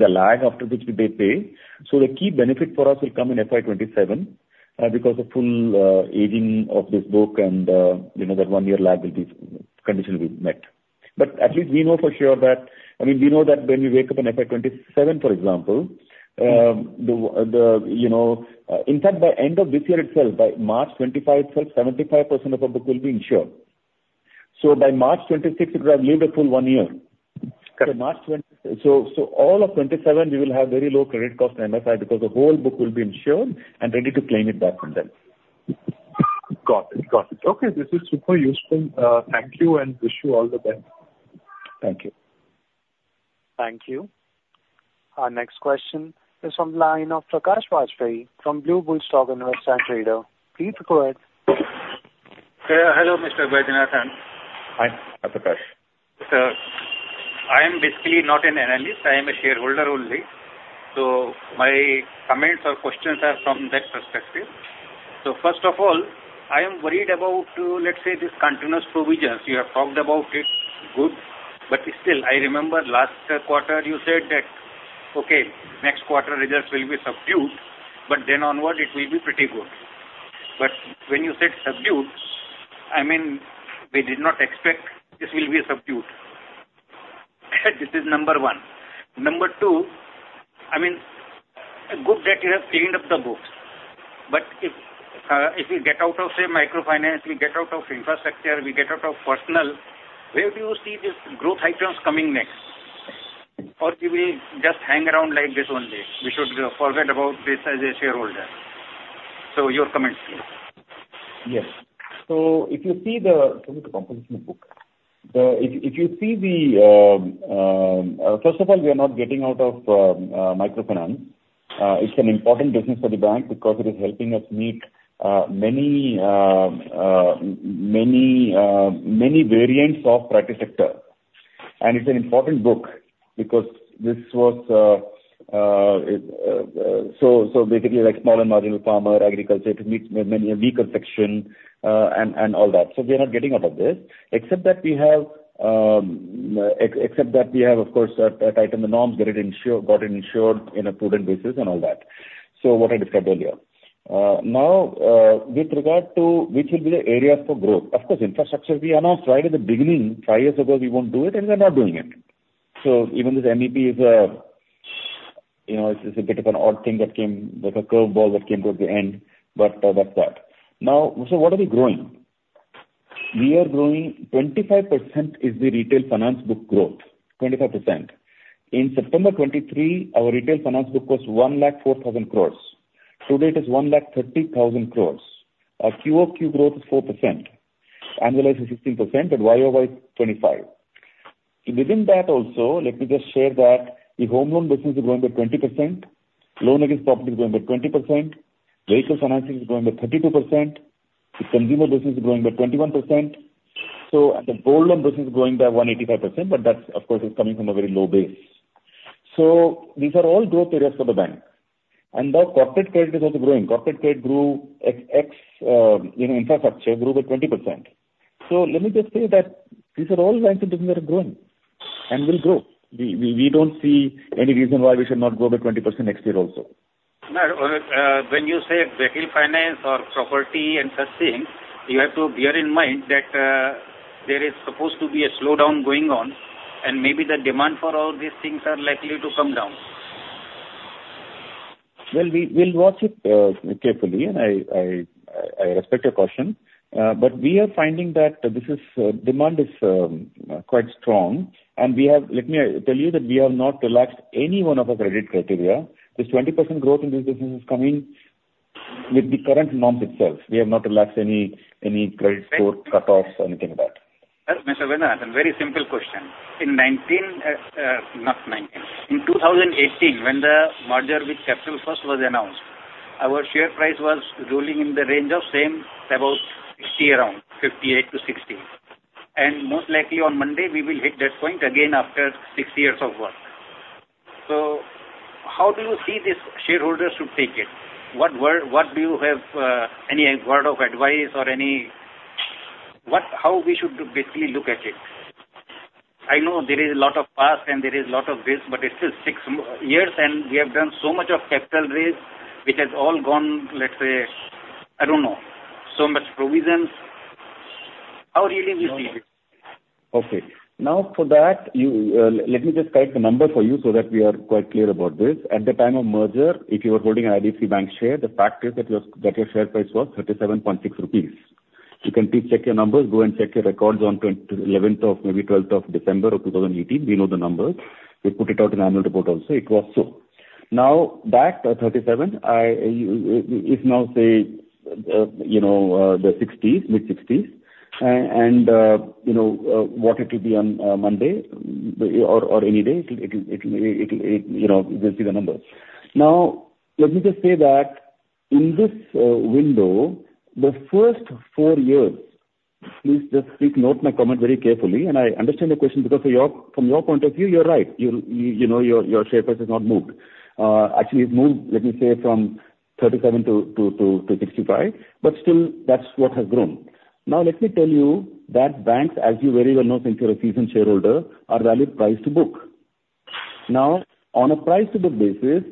a lag after which they pay. So the key benefit for us will come in FY 2027, because the full aging of this book and, you know, that one-year lag condition will be met. But at least we know for sure that, I mean, we know that when we wake up in FY 2027, for example, you know, in fact, by end of this year itself, by March 2025 itself, 75% of our book will be insured. So by March 2026, it will have lived a full one year. Correct. By March twenty-seven, so all of twenty-seven, we will have very low credit cost in MFI because the whole book will be insured and ready to claim it back from them. Got it. Got it. Okay, this is super useful. Thank you and wish you all the best. Thank you. Thank you. Our next question is from the line of Prakash Vastani from Blue Bull Stock Investment. Please go ahead. Hello, Mr. Vaidyanathan. Hi, Prakash. I am basically not an analyst, I am a shareholder only, so my comments or questions are from that perspective. So first of all, I am worried about, let's say, this continuous provisions. You have talked about it, good, but still, I remember last quarter you said that, "Okay, next quarter results will be subdued, but then onward it will be pretty good." But when you said subdued, I mean, we did not expect this will be subdued. This is number one. Number two, I mean, good that you have cleaned up the books, but if, if you get out of, say, microfinance, we get out of infrastructure, we get out of personal, where do you see this growth items coming next? Or do we just hang around like this only? We should, forget about this as a shareholder. So your comments, please. Yes, so if you see the composition of the book. First of all, we are not getting out of microfinance. It's an important business for the bank because it is helping us meet many variants of priority sector. And it's an important book because this was... Basically like small and marginal farmer, agriculture, to meet many a weaker section and all that. We are not getting out of this, except that we have of course tighten the norms, get it insured, got it insured on a prudent basis and all that. What I discussed earlier. Now, with regard to which will be the areas for growth, of course, infrastructure, we announced right at the beginning, five years ago, we won't do it, and we are not doing it. So even this MEP is a, you know, it's a bit of an odd thing that came, like a curveball that came towards the end, but, that's that. Now, so what are we growing? We are growing, 25% is the retail finance book growth. 25%. In September 2023, our retail finance book was one lakh four thousand crores. Today, it is one lakh thirty thousand crores. Our QOQ growth is 4%, annualized is 16%, and YOY is 25%. Within that also, let me just share that the home loan business is growing by 20%, loan against property is growing by 20%, vehicle financing is growing by 32%, the consumer business is growing by 21%, so, and the gold loan business is growing by 185%, but that, of course, is coming from a very low base. So these are all growth areas for the bank. Now corporate credit is also growing. Corporate credit grew at x, you know, infrastructure grew by 20%. So let me just say that these are all lines of business that are growing and will grow. We don't see any reason why we should not grow by 20% next year also. When you say vehicle finance or property and such things, you have to bear in mind that there is supposed to be a slowdown going on, and maybe the demand for all these things are likely to come down. We'll watch it carefully, and I respect your question, but we are finding that this demand is quite strong, and we have. Let me tell you that we have not relaxed any one of our credit criteria. This 20% growth in this business is coming with the current norms itself. We have not relaxed any credit score cutoffs or anything like that. Mr. V. Vaidyanathan, very simple question. In nineteen, not nineteen, in two thousand eighteen, when the merger with Capital First was announced, our share price was rolling in the range of same, about 60 around, 58 to 60. And most likely on Monday, we will hit that point again after six years of work. So how do you see these shareholders should take it? What word, what do you have, any word of advice or any... What, how we should basically look at it? I know there is a lot of past and there is a lot of this, but it's still six years, and we have done so much of capital raise, which has all gone, let's say, I don't know, so much provisions. How really we see it? Okay. Now, for that, you, let me just take the number for you so that we are quite clear about this. At the time of merger, if you were holding an IDFC Bank share, the fact is that your, that your share price was 37.6 rupees. You can please check your numbers. Go and check your records on the eleventh of, maybe twelfth of December of 2018. We know the numbers. We put it out in annual report also. It was so. Now, back to 37, it's now, say, you know, the 60s, mid-60s, and, you know, what it will be on Monday morning or any day, it'll, you know, we'll see the number. Now, let me just say that in this window, the first four years, please note my comment very carefully, and I understand your question because of your- from your point of view, you're right. You know, your share price has not moved. Actually, it's moved, let me say, from thirty-seven to sixty-five, but still, that's what has grown. Now, let me tell you that banks, as you very well know, since you're a seasoned shareholder, are valued price to book. Now, on a price to book basis,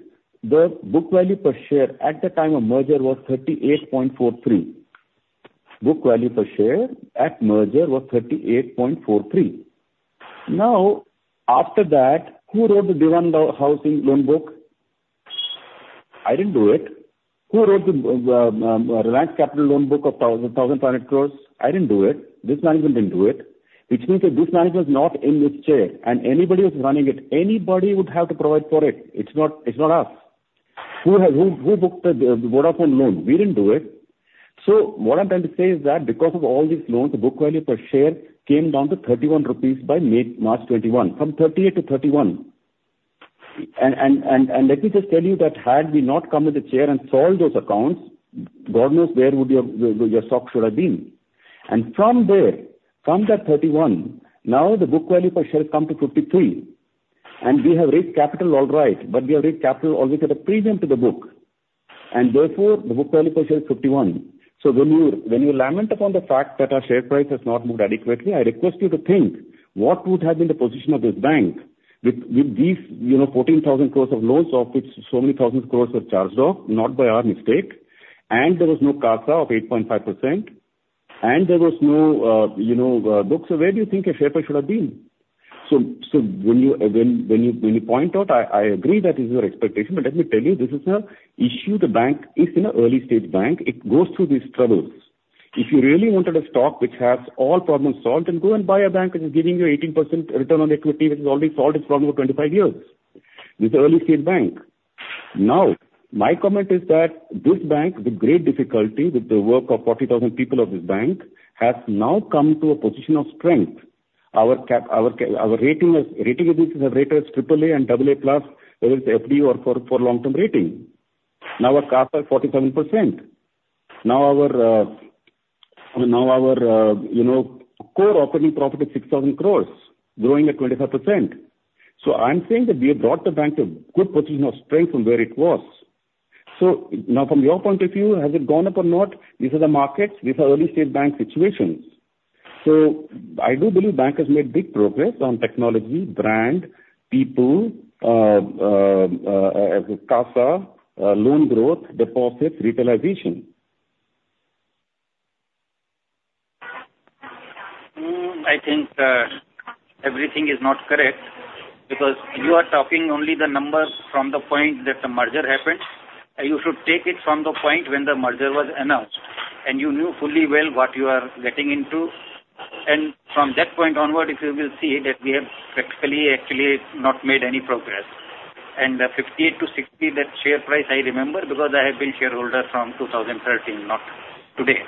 the book value per share at the time of merger was thirty-eight point four three. Book value per share at merger was thirty-eight point four three. Now, after that, who wrote the Dewan Housing loan book? I didn't do it. Who wrote the Reliance Capital loan book of 1,100 crore? I didn't do it. This management didn't do it, which means that this management was not in this chair, and anybody who's running it, anybody would have to provide for it. It's not, it's not us. Who booked the Vodafone loan? We didn't do it. So what I'm trying to say is that because of all these loans, the book value per share came down to 31 rupees by mid-March 2021, from 38 to 31. Let me just tell you that had we not come to the chair and solved those accounts, God knows where would your stock should have been. From there, from that 31, now the book value per share has come to 53, and we have raised capital all right, but we have raised capital always at a premium to the book, and therefore, the book value per share is 51. So when you, when you lament upon the fact that our share price has not moved adequately, I request you to think what would have been the position of this bank with, with these, you know, 14,000 crores of loans, of which so many thousands crores were charged off, not by our mistake, and there was no CASA of 8.5%, and there was no, you know, book. So where do you think our share price should have been? So when you point out, I agree that is your expectation, but let me tell you, this is an issue. The bank is an early-stage bank. It goes through these troubles. If you really wanted a stock which has all problems solved, then go and buy a bank which is giving you 18% return on equity, which has already solved its problem for 25 years. This is early-stage bank. Now, my comment is that this bank, with great difficulty, with the work of 40,000 people of this bank, has now come to a position of strength. Our rating is, rating agencies have rated us triple A and double A plus, whether it's FD or for long-term rating. Now, our costs are 47%. Now, our you know, core operating profit is 6,000 crores, growing at 25%. So I'm saying that we have brought the bank to a good position of strength from where it was. So now, from your point of view, has it gone up or not? These are the markets. These are early-stage bank situations. So I do believe bank has made big progress on technology, brand, people, CASA, loan growth, deposits, retailization. I think everything is not correct because you are talking only the numbers from the point that the merger happened. You should take it from the point when the merger was announced, and you knew fully well what you are getting into. And from that point onward, if you will see that we have practically actually not made any progress. And 58-60, that share price, I remember, because I have been shareholder from 2013, not today.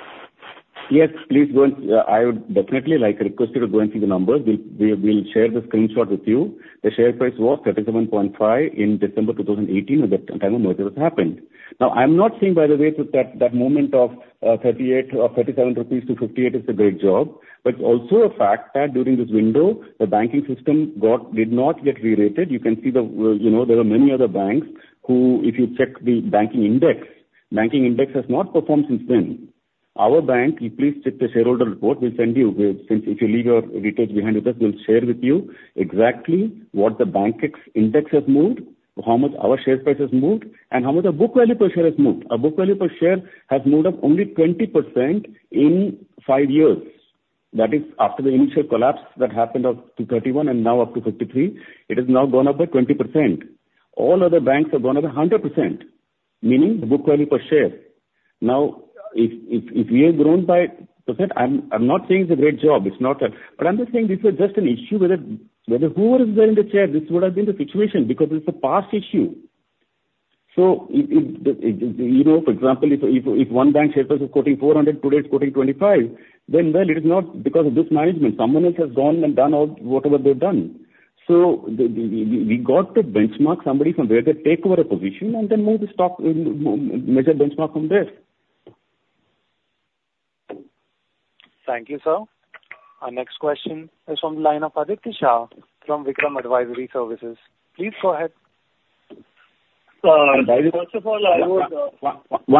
Yes, please go and, I would definitely like request you to go and see the numbers. We'll share the screenshot with you. The share price was 37.5 in December 2018, at that time the merger has happened. Now, I'm not saying, by the way, so that, that moment of thirty-eight or thirty-seven rupees to fifty-eight is a great job, but it's also a fact that during this window, the banking system did not get re-rated. You can see the, you know, there are many other banks who, if you check the banking index, banking index has not performed since then. Our bank, if you please check the shareholder report, we'll send you. Since if you leave your details behind with us, we'll share with you exactly what the bank index has moved, how much our share price has moved, and how much the book value per share has moved. Our book value per share has moved up only 20% in five years. That is after the initial collapse that happened up to 31 and now up to 53, it has now gone up by 20%. All other banks have gone up 100%, meaning the book value per share. Now, if we have grown by percent, I'm not saying it's a great job, it's not that. But I'm just saying this was just an issue, whether whoever is there in the chair, this would have been the situation, because this is a past issue. So, you know, for example, if one bank share price is quoting 400, today it's quoting 25, then well, it is not because of this management. Someone else has gone and done all whatever they've done. So we got to benchmark somebody from where they take over a position and then move the stock, measure benchmark from there. Thank you, sir. Our next question is from the line of Aditya Shah, from Vikram Advisory Services. Please go ahead. One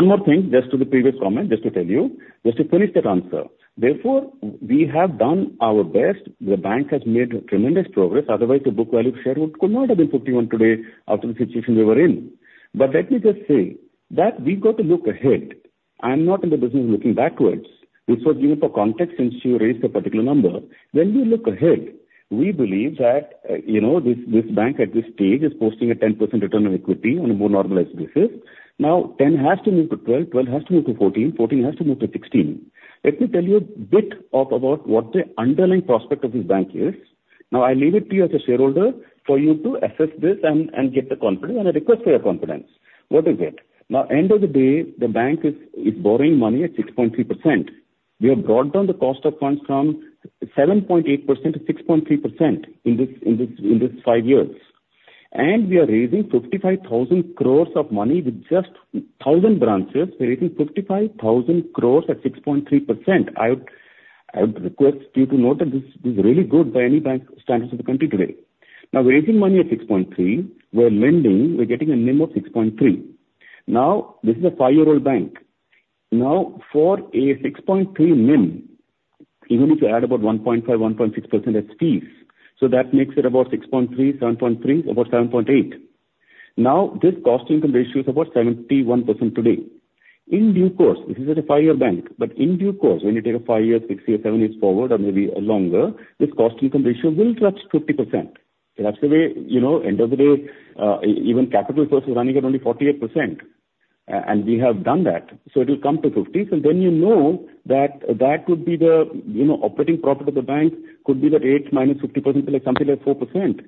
more thing, just to the previous comment, just to tell you, just to finish the answer. Therefore, we have done our best. The bank has made tremendous progress, otherwise the book value share would, could not have been 51 today after the situation we were in. But let me just say that we've got to look ahead. I'm not in the business of looking backwards. This was given for context, since you raised a particular number. When we look ahead, we believe that, you know, this bank at this stage is posting a 10% return on equity on a more normalized basis. Now, 10% has to move to 12%, 12% has to move to 14%, 14% has to move to 16%. Let me tell you a bit of about what the underlying prospect of this bank is. Now, I leave it to you as a shareholder for you to assess this and get the confidence, and I request for your confidence. What is it? Now, end of the day, the bank is borrowing money at 6.3%. We have brought down the cost of funds from 7.8% to 6.3% in this five years. And we are raising 55,000 crores of money with just 1,000 branches. We're raising 55,000 crores at 6.3%. I would request you to note that this is really good by any bank standards in the country today. Now, we're raising money at 6.3%. We're lending, we're getting a NIM of 6.3%. Now, this is a five-year-old bank. Now, for a 6.3 NIM, even if you add about 1.5, 1.6% as fees, so that makes it about 6.3, 7.3, about 7.8. Now, this cost income ratio is about 71% today. In due course, this is at a five-year bank, but in due course, when you take a five years, six years, seven years forward or maybe longer, this cost income ratio will touch 50%. That's the way, you know, end of the day, even Capital First is running at only 48%, and we have done that. So it will come to fifties, and then you know that that could be the, you know, operating profit of the bank could be the rate minus 50%, something like 4%.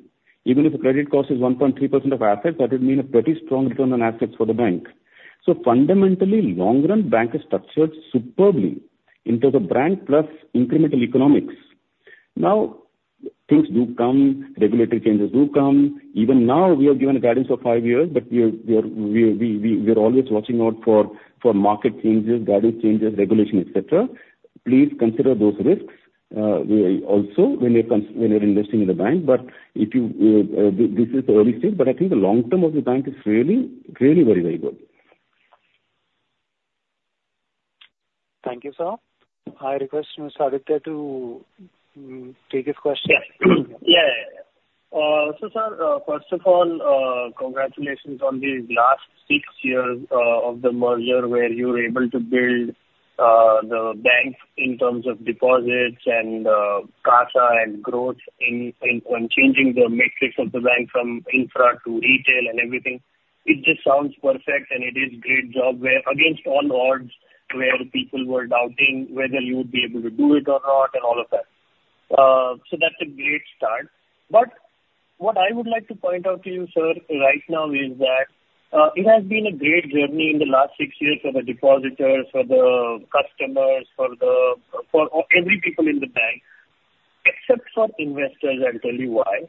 Even if the credit cost is 1.3% of assets, that would mean a pretty strong return on assets for the bank. So fundamentally, long run, bank is structured superbly in terms of brand plus incremental economics. Now, things do come, regulatory changes do come. Even now, we have given a guidance of five years, but we're always watching out for market changes, guidance changes, regulation, et cetera. Please consider those risks, we also when you're investing in the bank, but if you, this is the early stage, but I think the long term of the bank is really, really very, very good. Thank you, sir. I request Mr. Aditya to take his question. Yeah. Yeah, yeah, yeah. So, sir, first of all, congratulations on the last six years of the merger, where you were able to build the bank in terms of deposits and CASA and growth in and changing the matrix of the bank from infra to retail and everything. It just sounds perfect, and it is great job where against all odds, where people were doubting whether you would be able to do it or not and all of that. So that's a great start. But what I would like to point out to you, sir, right now is that it has been a great journey in the last six years for the depositors, for the customers, for every people in the bank, except for investors. I'll tell you why.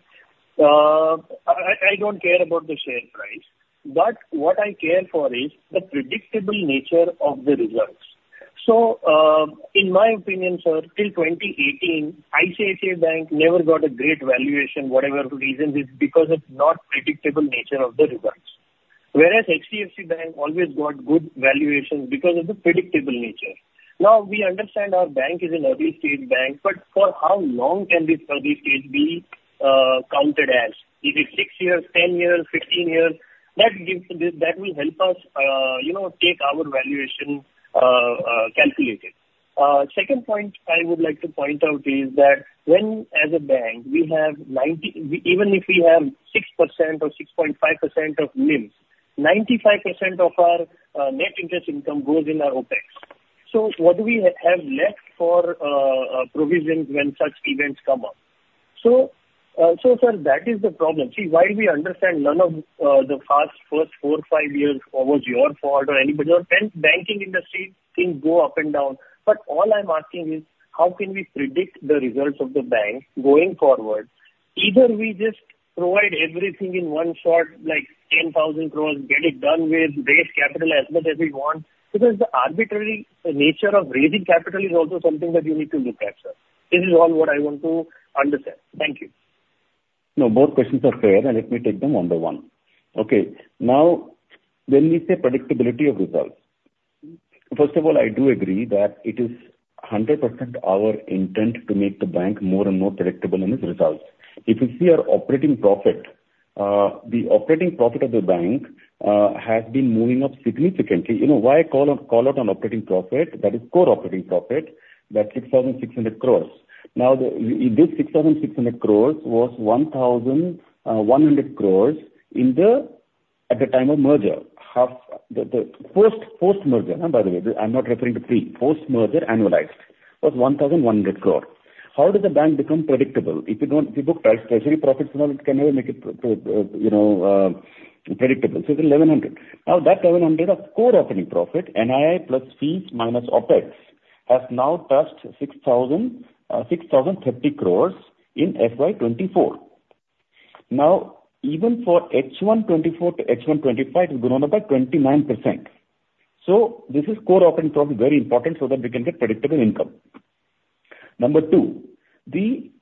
I don't care about the share price, but what I care for is the predictable nature of the results. So, in my opinion, sir, till 2018, ICICI Bank never got a great valuation, whatever the reason is, because it's not predictable nature of the results. Whereas HDFC Bank always got good valuations because of the predictable nature. Now, we understand our bank is an early-stage bank, but for how long can this early stage be counted as? Is it six years, 10 years, 15 years? That gives, that will help us, you know, take our valuation calculated. Second point I would like to point out is that when, as a bank, we have even if we have 6% or 6.5% of NIM, 95% of our net interest income goes in our OpEx. So what do we have left for provisions when such events come up? So, so sir, that is the problem. See, while we understand none of the first four, five years was your fault or anybody, or then banking industry things go up and down, but all I'm asking is: How can we predict the results of the bank going forward? Either we just provide everything in one shot, like 10,000 crores, get it done with, raise capital as much as we want, because the arbitrary nature of raising capital is also something that you need to look at, sir. This is all what I want to understand. Thank you. No, both questions are fair, and let me take them one by one. Okay. Now, when we say predictability of results, first of all, I do agree that it is 100% our intent to make the bank more and more predictable in its results. If you see our operating profit, the operating profit of the bank, has been moving up significantly. You know, why call out on operating profit? That is core operating profit, that's 6,600 crores. Now, in this 6,600 crores was 1,100 crores at the time of merger. Half the post-merger, and by the way, I'm not referring to pre. Post-merger, annualized, was 1,100 crore. How does the bank become predictable? If you don't, if you book treasury profits, now, it can never make it, you know, predictable, so it's 1,100. Now, that 1,100 of core operating profit, NII plus fees minus OpEx, has now touched 6,030 crores in FY 2024. Now, even for H1 2024 to H1 2025, it has grown up by 29%. So this is core operating profit, very important, so that we can get predictable income. Number two, in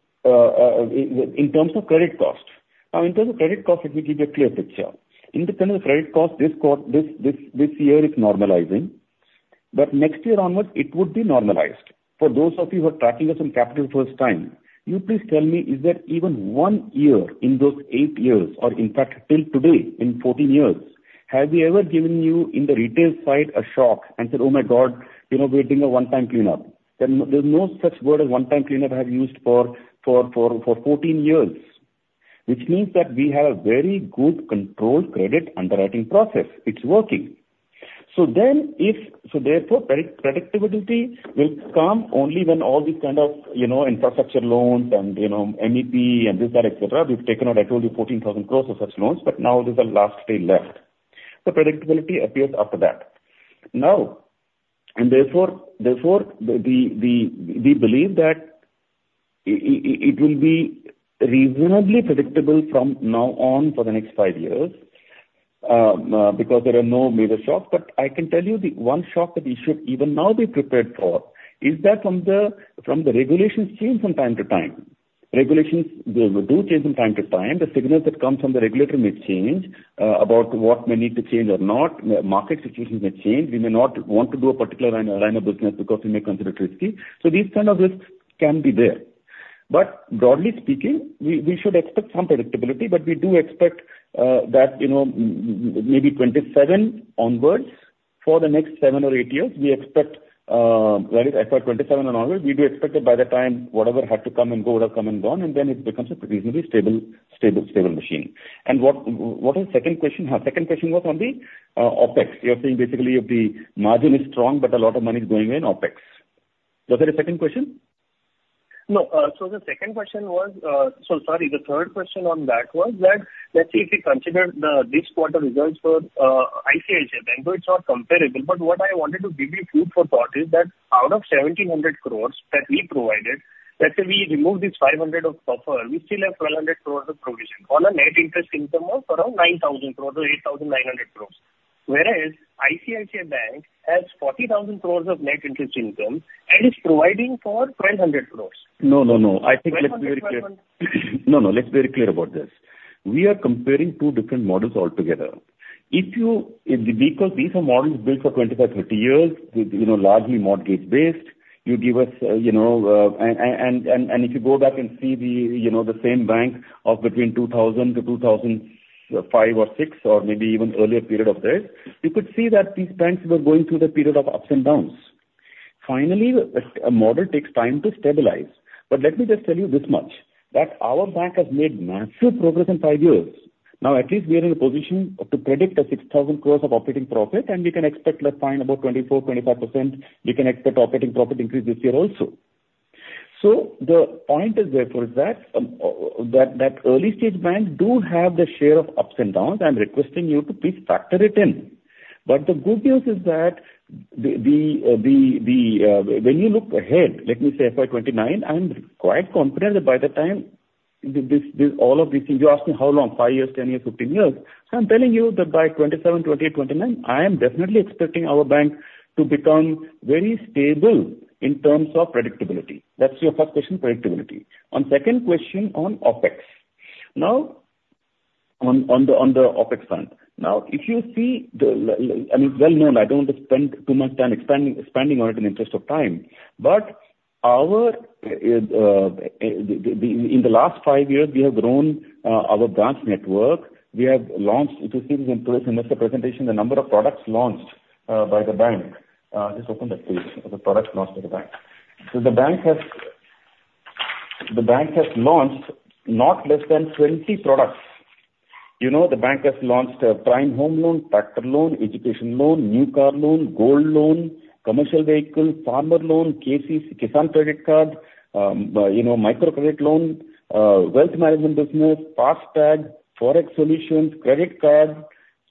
terms of credit cost. Now, in terms of credit cost, let me give you a clear picture. In terms of credit cost, this quarter, this year is normalizing... but next year onwards, it would be normalized. For those of you who are tracking us for the first time, you please tell me, is there even one year in those eight years, or in fact, till today, in fourteen years, have we ever given you, in the retail side, a shock and said, "Oh, my God! We are doing a one-time cleanup?" There's no such word as one-time cleanup I have used for fourteen years, which means that we have a very good controlled credit underwriting process. It's working. So therefore, predictability will come only when all these kind of, you know, infrastructure loans and, you know, MEP and this, that, etc., we've taken out, I told you, 14,000 crores of such loans, but now these are last few left. So predictability appears after that. Now, therefore, we believe that it will be reasonably predictable from now on for the next five years, because there are no major shocks, but I can tell you, the one shock that we should even now be prepared for is that from the regulations change from time to time. Regulations, they do change from time to time. The signals that come from the regulator may change about what may need to change or not. Market situations may change. We may not want to do a particular line of business because we may consider it risky. So these kind of risks can be there. Broadly speaking, we should expect some predictability, but we do expect that, you know, maybe 2027 onwards, for the next seven or eight years, we expect that is FY 2027 and onward, we do expect that by that time, whatever had to come and go would have come and gone, and then it becomes a reasonably stable machine. And what was second question? Second question was on the OpEx. You're saying basically if the margin is strong, but a lot of money is going in OpEx. Was there a second question? No. So the second question was, so sorry, the third question on that was that, let's say if we consider the, this quarter results for, ICICI Bank, though it's not comparable, but what I wanted to give you food for thought is that out of 1,700 crores that we provided, let's say we remove this 500 of buffer, we still have 1,200 crores of provision on a net interest income of around 9,000 crores or 8,900 crores. Whereas ICICI Bank has 40,000 crores of net interest income and is providing for 1,200 crores. No, no, no. I think let's be very clear. No, no, let's be very clear about this. We are comparing two different models altogether. If you, if because these are models built for twenty-five, thirty years, with, you know, largely mortgage-based, you give us, you know, and if you go back and see the, you know, the same bank of between 2000 to 2005 or 2006, or maybe even earlier period of this, you could see that these banks were going through the period of ups and downs. Finally, a model takes time to stabilize. But let me just tell you this much, that our bank has made massive progress in five years. Now, at least we are in a position to predict 6,000 crores of operating profit, and we can expect, let's find about 24%-25%, we can expect operating profit increase this year also. The point is, therefore, that early stage banks do have their share of ups and downs. I'm requesting you to please factor it in. But the good news is that when you look ahead, let me say FY 2029, I'm quite confident that by that time, this, all of these things. You ask me how long? Five years, 10 years, 15 years. So I'm telling you that by 2027, 2028, 2029, I am definitely expecting our bank to become very stable in terms of predictability. That's your first question, predictability. On second question on OpEx. Now, on the OpEx front. Now, if you see, and it's well known, I don't want to spend too much time expanding on it in the interest of time, but in the last five years, we have grown our branch network. We have launched. If you see this in the presentation, the number of products launched by the bank. Just open that page, the products launched by the bank. So the bank has launched not less than 20 products. You know, the bank has launched a prime home loan, tractor loan, education loan, new car loan, gold loan, commercial vehicle, farmer loan, KCC, Kisan credit card, you know, micro credit loan, wealth management business, FASTag, Forex solutions, credit card.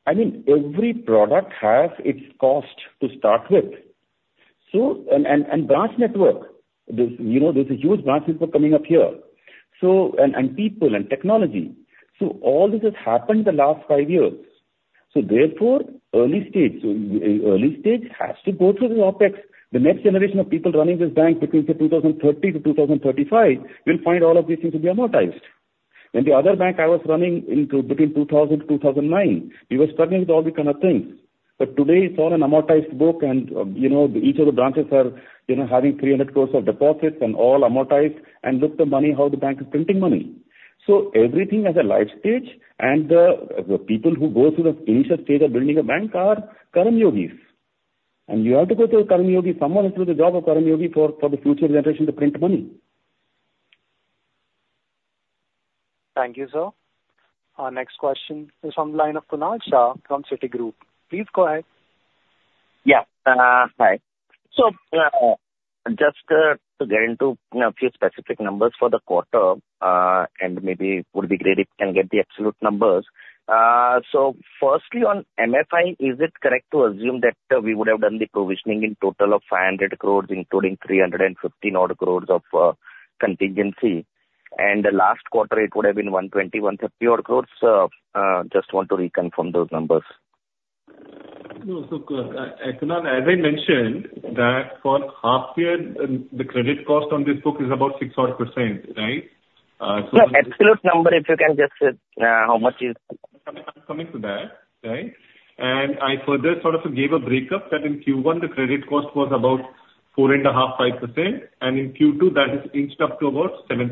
I mean, every product has its cost to start with. Branch network, there's, you know, a huge branch network coming up here, so, people and technology. All this has happened in the last five years. Therefore, early stage has to go through the OpEx. The next generation of people running this bank between say, two thousand and thirty to two thousand and thirty-five, will find all of these things to be amortized. In the other bank I was running into between two thousand to two thousand and nine, we were struggling with all these kind of things, but today it's all an amortized book, and, you know, each of the branches are, you know, having 300 crores of deposits and all amortized, and look the money, how the bank is printing money. So everything has a life stage, and the people who go through the initial stage of building a bank are Karma Yogis, and you have to go through Karma Yogi. Someone has to do the job of Karma Yogi for the future generation to print money. Thank you, sir. Our next question is from the line of Kunal Shah from Citigroup. Please go ahead. Yeah, hi. So, just to get into, you know, a few specific numbers for the quarter, and maybe would be great if we can get the absolute numbers. So firstly, on MFI, is it correct to assume that we would have done the provisioning in total of 500 crores, including 350-odd crores of contingency, and the last quarter it would have been 120-150 odd crores? Just want to reconfirm those numbers. No, so, Kunal, as I mentioned, that for half year, the credit cost on this book is about six odd %, right? So- No, absolute number, if you can just, how much is?... coming to that, right? And I further sort of gave a breakup that in Q1, the credit cost was about 4.5-5%, and in Q2, that has inched up to about 7%.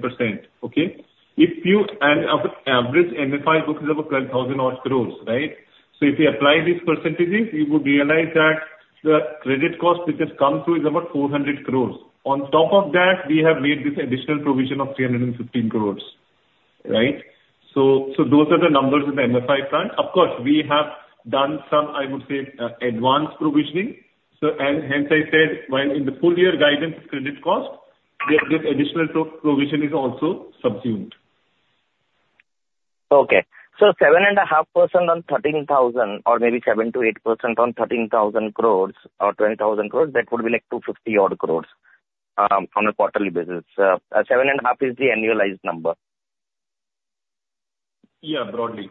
Okay? If you, and our average MFI book is about 10,000 odd crores, right? So if you apply these percentages, you would realize that the credit cost which has come through is about 400 crores. On top of that, we have made this additional provision of 315 crores, right? So, those are the numbers in the MFI front. Of course, we have done some, I would say, advanced provisioning. So, and hence I said, while in the full year guidance credit cost, this additional provision is also subsumed. Okay. So 7.5% on 13,000, or maybe 7%-8% on 13,000 crore or 20,000 crore, that would be like 250 odd crore, on a quarterly basis. 7.5% is the annualized number. Yeah, broadly.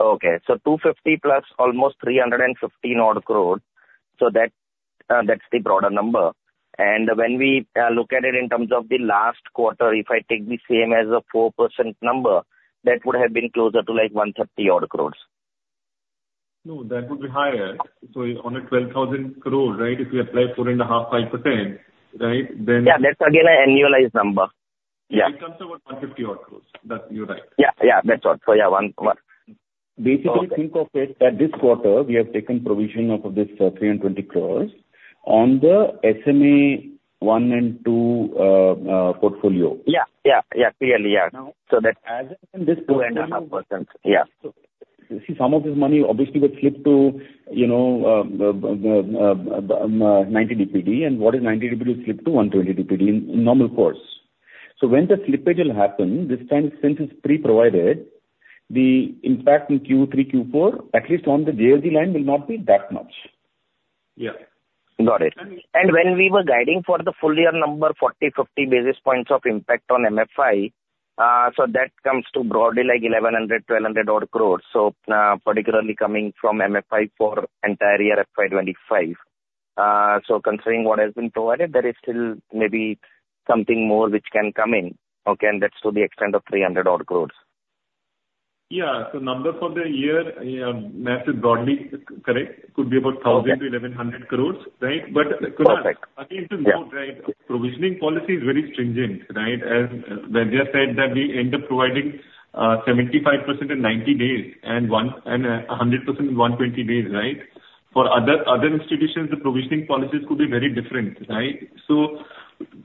Okay. So 250 plus almost 315 odd crore, so that, that's the broader number. And when we look at it in terms of the last quarter, if I take the same as a 4% number, that would have been closer to, like, 130 odd crores. No, that would be higher. So on a 12,000 crore, right, if you apply 4.5%-5%, right? Then- Yeah, that's again an annualized number. Yeah. It comes to about 150 odd crores. That, you're right. Yeah, yeah, that's what. So yeah, one, one. Basically, think of it that this quarter, we have taken provision of this, 320 crores on the SMA one and two, portfolio. Yeah, yeah, yeah. Clearly, yeah. No- So that's as of this 2.5%. Yeah. You see, some of this money obviously will flip to, you know, ninety DPD, and what is ninety DPD will slip to one twenty DPD in normal course. So when the slippage will happen, this time, since it's pre-provided, the impact in Q3, Q4, at least on the JLG line, will not be that much. Yeah. Got it. And when we were guiding for the full year number, 40-50 basis points of impact on MFI, so that comes to broadly like 1,100-1,200 odd crores. So, particularly coming from MFI for entire year, FY 2025. So considering what has been provided, there is still maybe something more which can come in, okay? And that's to the extent of 300 odd crores. Yeah. So number for the year, yeah, math is broadly correct. Could be about- Okay. 1,000-1,100 crores, right? Perfect. But again, to note, right, provisioning policy is very stringent, right? As Vaidyanathan said that we end up providing 75% in 90 days, and 100% in 120 days, right? For other institutions, the provisioning policies could be very different, right? So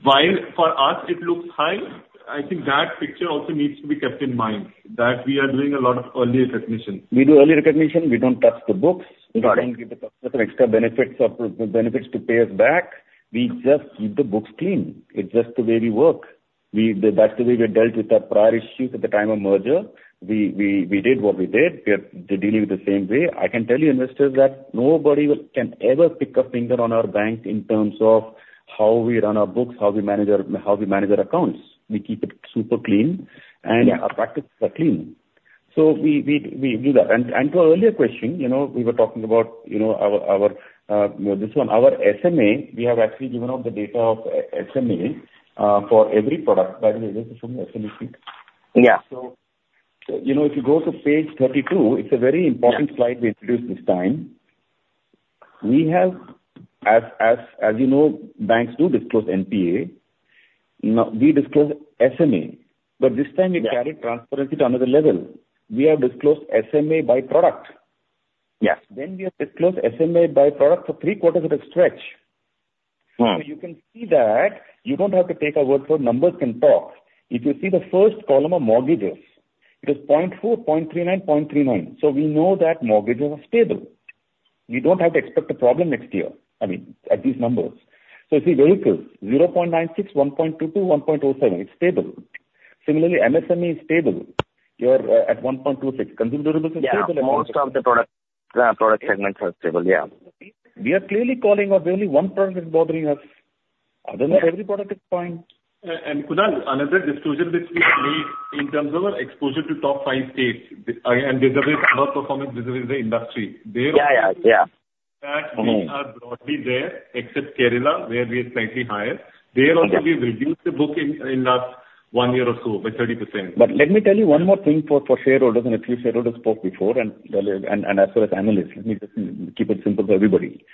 while for us it looks high, I think that picture also needs to be kept in mind, that we are doing a lot of early recognition. We do early recognition. We don't touch the books. Got it. We don't give the customer extra benefits or benefits to pay us back. We just keep the books clean. It's just the way we work. That's the way we dealt with the prior issues at the time of merger. We did what we did. We are dealing with the same way. I can tell you, investors, that nobody can ever point a finger on our bank in terms of how we run our books, how we manage our accounts. We keep it super clean, and Yeah... our practices are clean. So we do that. And to your earlier question, you know, we were talking about, you know, our SMA, we have actually given out the data of SMA for every product. By the way, is this on the SMA sheet? Yeah. So, you know, if you go to page 32, it's a very important- Yeah... slide we introduced this time. We have, you know, banks do disclose NPA. Now, we disclose SMA, but this time we- Yeah... carried transparency to another level. We have disclosed SMA by product. Yeah. Then we have disclosed SMA by product for three quarters at a stretch. Wow! You can see that you don't have to take our word for it, numbers can talk. If you see the first column of mortgages, it is 0.4, 0.39, 0.39. We know that mortgages are stable. We don't have to expect a problem next year, I mean, at these numbers. You see vehicles, 0.96, 1.22, 1.07, it's stable. Similarly, MSME is stable. You are at 1.26. Consumer durables is stable- Yeah, most of the product segments are stable. Yeah. We are clearly calling out only one product that's bothering us. Other than that, every product is fine. And Kunal, another disclosure which we made in terms of our exposure to top five states, and this is performance. This is the industry. Yeah, yeah, yeah. That we are broadly there, except Kerala, where we are slightly higher. Okay. There also, we reduced the booking in last one year or so by 30%. But let me tell you one more thing for shareholders, and a few shareholders spoke before, and as well as analysts. Let me just keep it simple for everybody.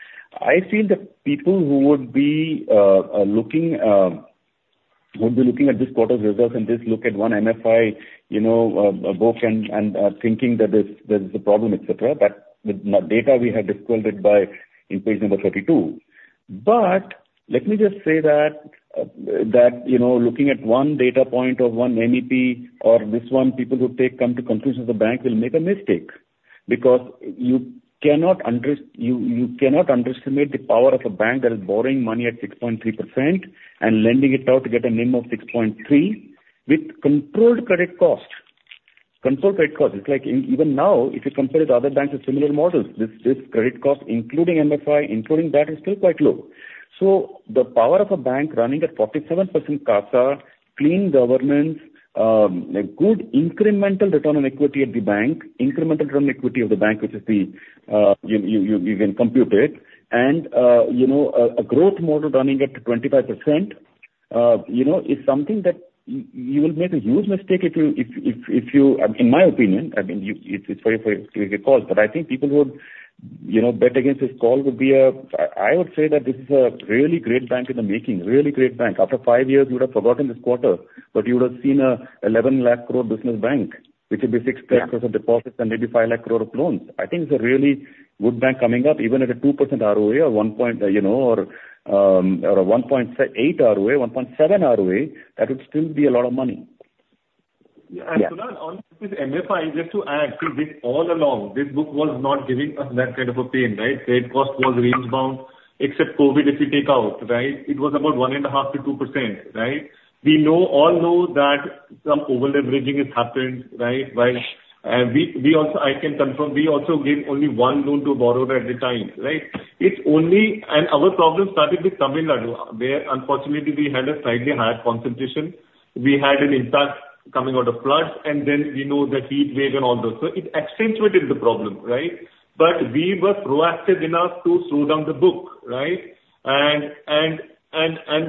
I feel that people who would be looking at this quarter's results and just look at one MFI, you know, book and thinking that there's a problem, et cetera, that with the data we have disclosed in page number 32. But let me just say that, you know, looking at one data point or one MEP or this one, people who take... Come to conclusions of the bank will make a mistake, because you cannot underestimate the power of a bank that is borrowing money at 6.3% and lending it out to get a NIM of 6.3%, with controlled credit cost. Controlled credit cost. It's like even now, if you compare it to other banks with similar models, this credit cost, including MFI, including that, is still quite low. So the power of a bank running at 47% CASA, clean governance, a good incremental return on equity at the bank, incremental return on equity of the bank, which is the, you can compute it, and, you know, a growth model running at 25%? You know, it's something that you will make a huge mistake if you, in my opinion, I mean, you, it's very, very clear call, but I think people who, you know, bet against this call would be, I would say that this is a really great bank in the making, really great bank. After five years, you would have forgotten this quarter, but you would have seen a eleven lakh crore business bank, which would be 6%- Yeah. of deposits and maybe 5 lakh crore of loans. I think it's a really good bank coming up, even at a 2% ROA or 1 point, you know, or a 1 point eight ROA, 1.7 ROA, that would still be a lot of money. Yeah. Yeah. And so on this MFI, just to add, this all along, this book was not giving us that kind of a pain, right? The cost was range bound, except COVID, if you take out, right? It was about 1.5%-2%, right? We know, all know that some over-leveraging has happened, right? While- Yes. We also, I can confirm, we also gave only one loan to borrower at the time, right? It's only. Our problem started with Tamil Nadu, where unfortunately we had a slightly higher concentration. We had an impact coming out of floods, and then we know the heat wave and all those. So it accentuated the problem, right? We were proactive enough to slow down the book, right?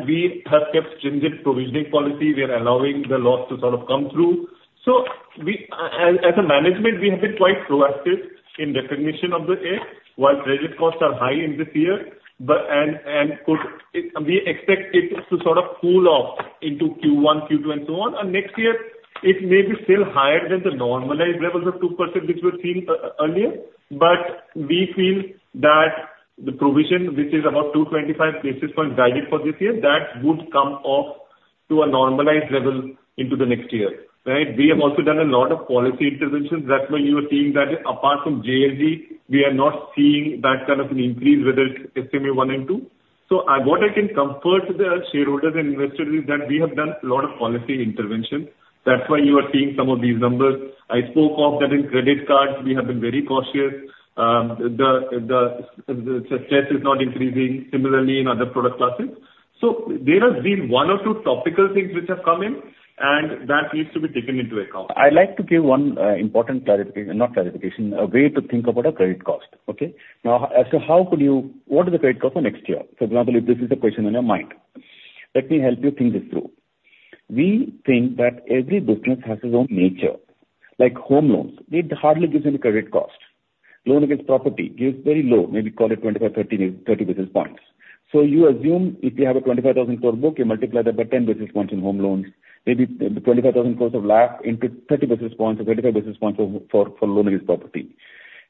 We have kept stringent provisioning policy. We are allowing the loss to sort of come through. As a management, we have been quite proactive in recognition of the risk, while credit costs are high in this year, but we expect it to sort of cool off into Q1, Q2, and so on. Next year, it may be still higher than the normalized levels of 2%, which we've seen earlier, but we feel that the provision, which is about two twenty-five basis points guided for this year, that would come off to a normalized level into the next year, right? We have also done a lot of policy interventions. That's why you are seeing that apart from JLG, we are not seeing that kind of an increase, whether it's SMA one and two. So, what I can comfort to the shareholders and investors is that we have done a lot of policy intervention. That's why you are seeing some of these numbers. I spoke of that in credit cards, we have been very cautious. The stress is not increasing similarly in other product classes. So there have been one or two topical things which have come in, and that needs to be taken into account. I'd like to give one important clarification, not clarification, a way to think about a credit cost, okay? Now, as to how could you... What is the credit cost for next year? For example, if this is the question in your mind, let me help you think this through. We think that every business has its own nature. Like home loans, it hardly gives any credit cost. Loan against property gives very low, maybe call it twenty-five, thirty basis points. So you assume if you have a twenty-five thousand crore book, you multiply that by ten basis points in home loans, maybe twenty-five thousand crore LAP into thirty basis points or thirty-five basis points for loan against property.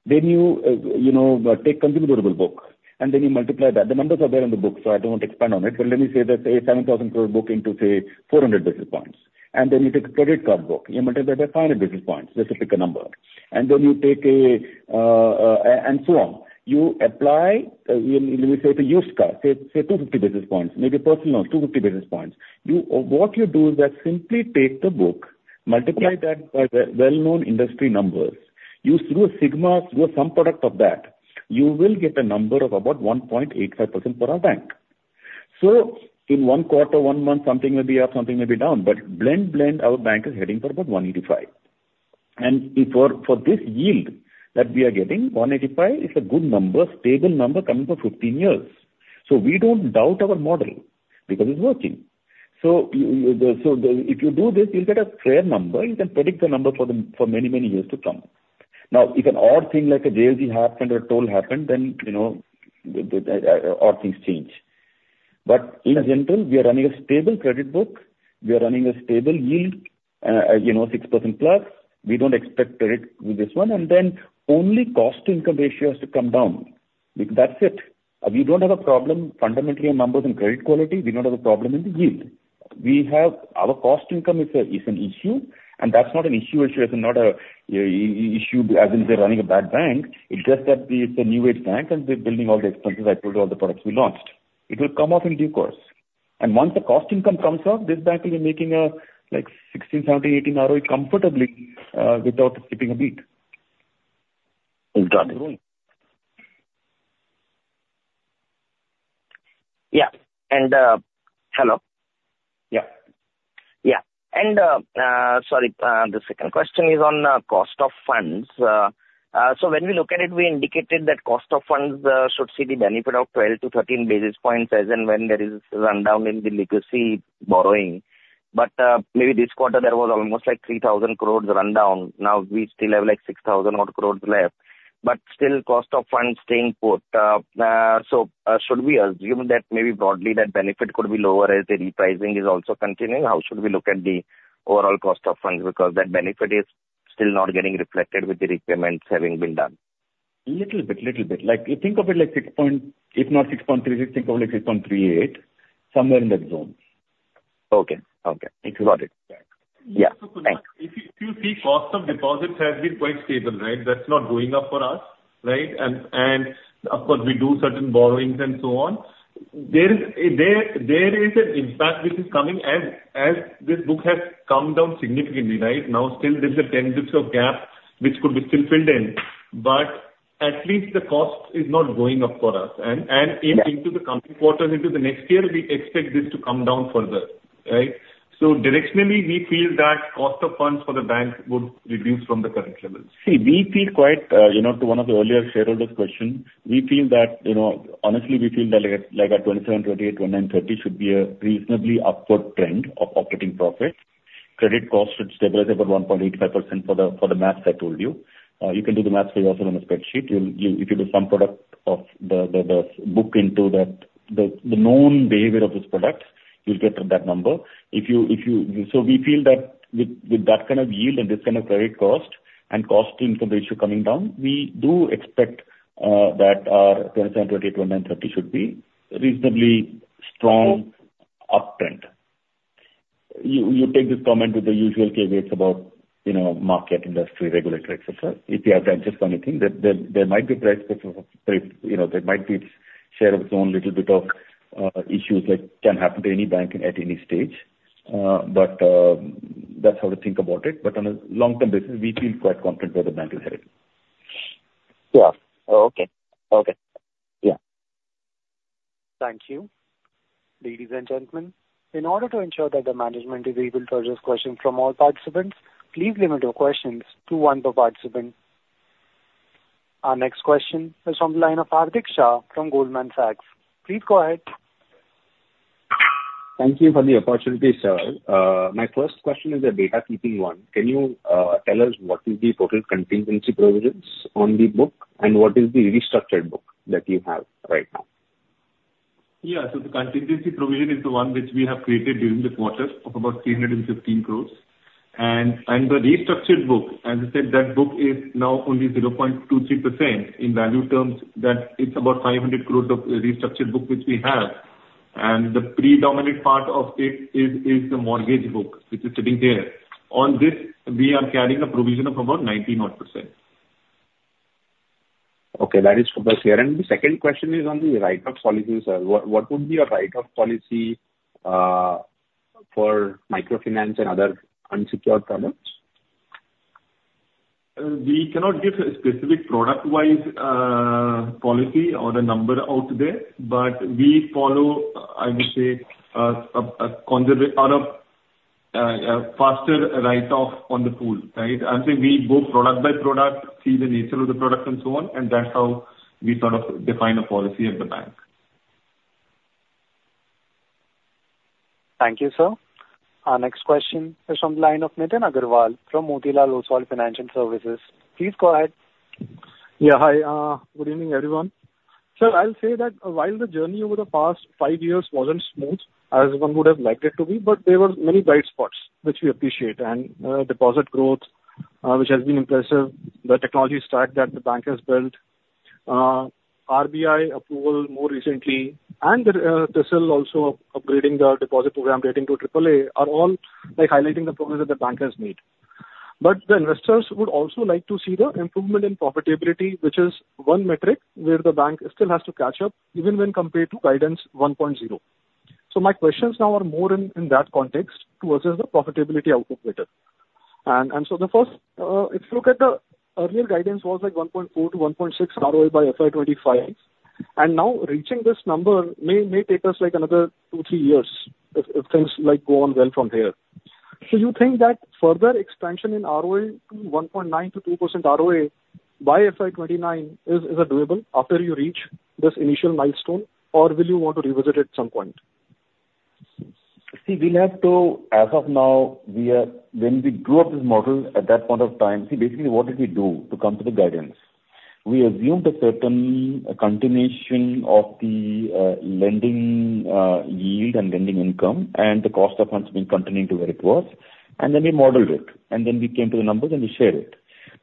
Then you, you know, take consumer book, and then you multiply that. The numbers are there on the book, so I don't want to expand on it, but let me say that, a seven thousand crore book into, say, four hundred basis points, and then you take a credit card book, you multiply that by five hundred basis points, let's pick a number, and then you take a and so on. You apply, we say it's a used car, say two fifty basis points, maybe personal loan, two fifty basis points. You, what you do is that simply take the book, multiply that by the well-known industry numbers. You through a sigma, through some product of that, you will get a number of about 1.85% for our bank. So in one quarter, one month, something may be up, something may be down, but blend, blend, our bank is heading for about one eighty-five. And if, for this yield that we are getting, one eighty-five is a good number, stable number coming for 15 years. We don't doubt our model, because it's working. So, if you do this, you'll get a fair number. You can predict the number for the, for many, many years to come. Now, if an odd thing, like a JLG happened or toll happened, then, you know, the odd things change. But in general, we are running a stable credit book. We are running a stable yield, you know, 6% plus. We don't expect credit with this one, and then only cost to income ratio has to come down. That's it. We don't have a problem fundamentally on numbers and credit quality. We don't have a problem in the yield. We have our cost income is an issue, and that's not an issue as in not an issue, as in we're running a bad bank. It's just that we, it's a new age bank, and we're building all the expenses. I told you all the products we launched. It will come off in due course. And once the cost income comes off, this bank will be making like sixteen, seventeen, eighteen ROE comfortably without skipping a beat. Sorry, the second question is on cost of funds. So when we look at it, we indicated that cost of funds should see the benefit of twelve to thirteen basis points as and when there is rundown in the legacy borrowing. But maybe this quarter, there was almost like 3,000 crores rundown. Now, we still have, like, 6,000 odd crores left, but still cost of funds staying put. So, should we assume that maybe broadly that benefit could be lower as the repricing is also continuing? How should we look at the overall cost of funds? Because that benefit is still not getting reflected with the repayments having been done. Little bit, little bit. Like, you think of it like six point, if not six point three six, think of it like six point three eight, somewhere in that zone. Okay. Okay. Got it. Yeah. Yeah, thanks. So Kunal, if you see, cost of deposits has been quite stable, right? That's not going up for us, right? And of course, we do certain borrowings and so on. There is an impact which is coming as this book has come down significantly, right? Now, still there's a ten basis points gap which could be still filled in, but at least the cost is not going up for us. And Yeah. into the coming quarters, into the next year, we expect this to come down further, right?... So directionally, we feel that cost of funds for the bank would reduce from the current levels. See, we feel quite, you know, to one of the earlier shareholders' question, we feel that, you know, honestly, we feel that like at, like at 27, 28, 29, 30 should be a reasonably upward trend of operating profits. Credit costs should stabilize about 1.85% for the, for the math I told you. You can do the math also on a spreadsheet. You'll if you do some product of the book into that, the known behavior of this product, you'll get that number. If you... So we feel that with, with that kind of yield and this kind of credit cost, and cost income ratio coming down, we do expect that our 27, 28, 29, 30 should be reasonably strong uptrend. You take this comment with the usual caveats about, you know, market, industry, regulatory, et cetera. If you have done just anything, there might be price, you know, there might be its share of its own little bit of issues that can happen to any bank at any stage, but that's how to think about it, but on a long-term basis, we feel quite confident where the bank is headed. Yeah. Okay. Okay, yeah. Thank you. Ladies and gentlemen, in order to ensure that the management is able to address questions from all participants, please limit your questions to one per participant. Our next question is from the line of Hardik Shah from Goldman Sachs. Please go ahead. Thank you for the opportunity, sir. My first question is a housekeeping one. Can you tell us what is the total contingency provisions on the book, and what is the restructured book that you have right now? Yeah, so the contingency provision is the one which we have created during the quarter of about 315 crores. And the restructured book, as I said, that book is now only 0.23% in value terms, that it's about 500 crores of restructured book which we have. And the predominant part of it is the mortgage book, which is sitting there. On this, we are carrying a provision of about 90-odd%. Okay, that is super clear. And the second question is on the write-off policy, sir. What would be your write-off policy for microfinance and other unsecured products? We cannot give a specific product-wise policy or a number out there, but we follow, I would say, a conservative or a faster write-off on the pool, right? I would say we go product by product, see the nature of the product and so on, and that's how we sort of define a policy at the bank. Thank you, sir. Our next question is from the line of Nitin Agarwal from Motilal Oswal Financial Services. Please go ahead. Yeah, hi. Good evening, everyone. Sir, I'll say that while the journey over the past five years wasn't smooth, as one would have liked it to be, but there were many bright spots which we appreciate. And deposit growth, which has been impressive, the technology stack that the bank has built, RBI approval more recently, and the ICRA also upgrading the deposit program rating to triple A, are all, like, highlighting the progress that the bank has made. The investors would also like to see the improvement in profitability, which is one metric where the bank still has to catch up, even when compared to Guidance one point zero. My questions now are more in that context to assess the profitability output better. The first, if you look at the earlier guidance was like 1.4%-1.6% ROA by FY 2025, and now reaching this number may take us, like, another 2-3 years if things, like, go on well from here. You think that further expansion in ROA to 1.9%-2% ROA by FY 2029 is doable after you reach this initial milestone, or will you want to revisit it at some point? See, we'll have to. As of now, we are when we drew up this model at that point of time, see, basically what did we do to come to the guidance? We assumed a certain continuation of the lending yield and lending income, and the cost of funds being continuing to where it was, and then we modeled it, and then we came to the numbers, and we shared it.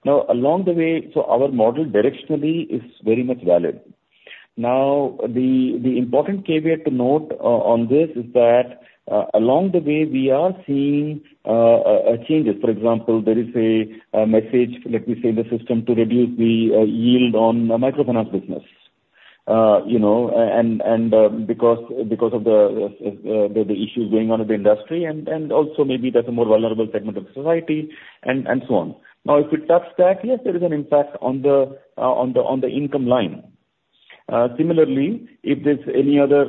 Now, along the way, so our model directionally is very much valid. Now, the important caveat to note on this is that along the way, we are seeing changes. For example, there is a message, let me say, in the system to reduce the yield on microfinance business. You know, because of the issues going on in the industry and also maybe that's a more vulnerable segment of society and so on. Now, if you touch that, yes, there is an impact on the income line. Similarly, if there's any other,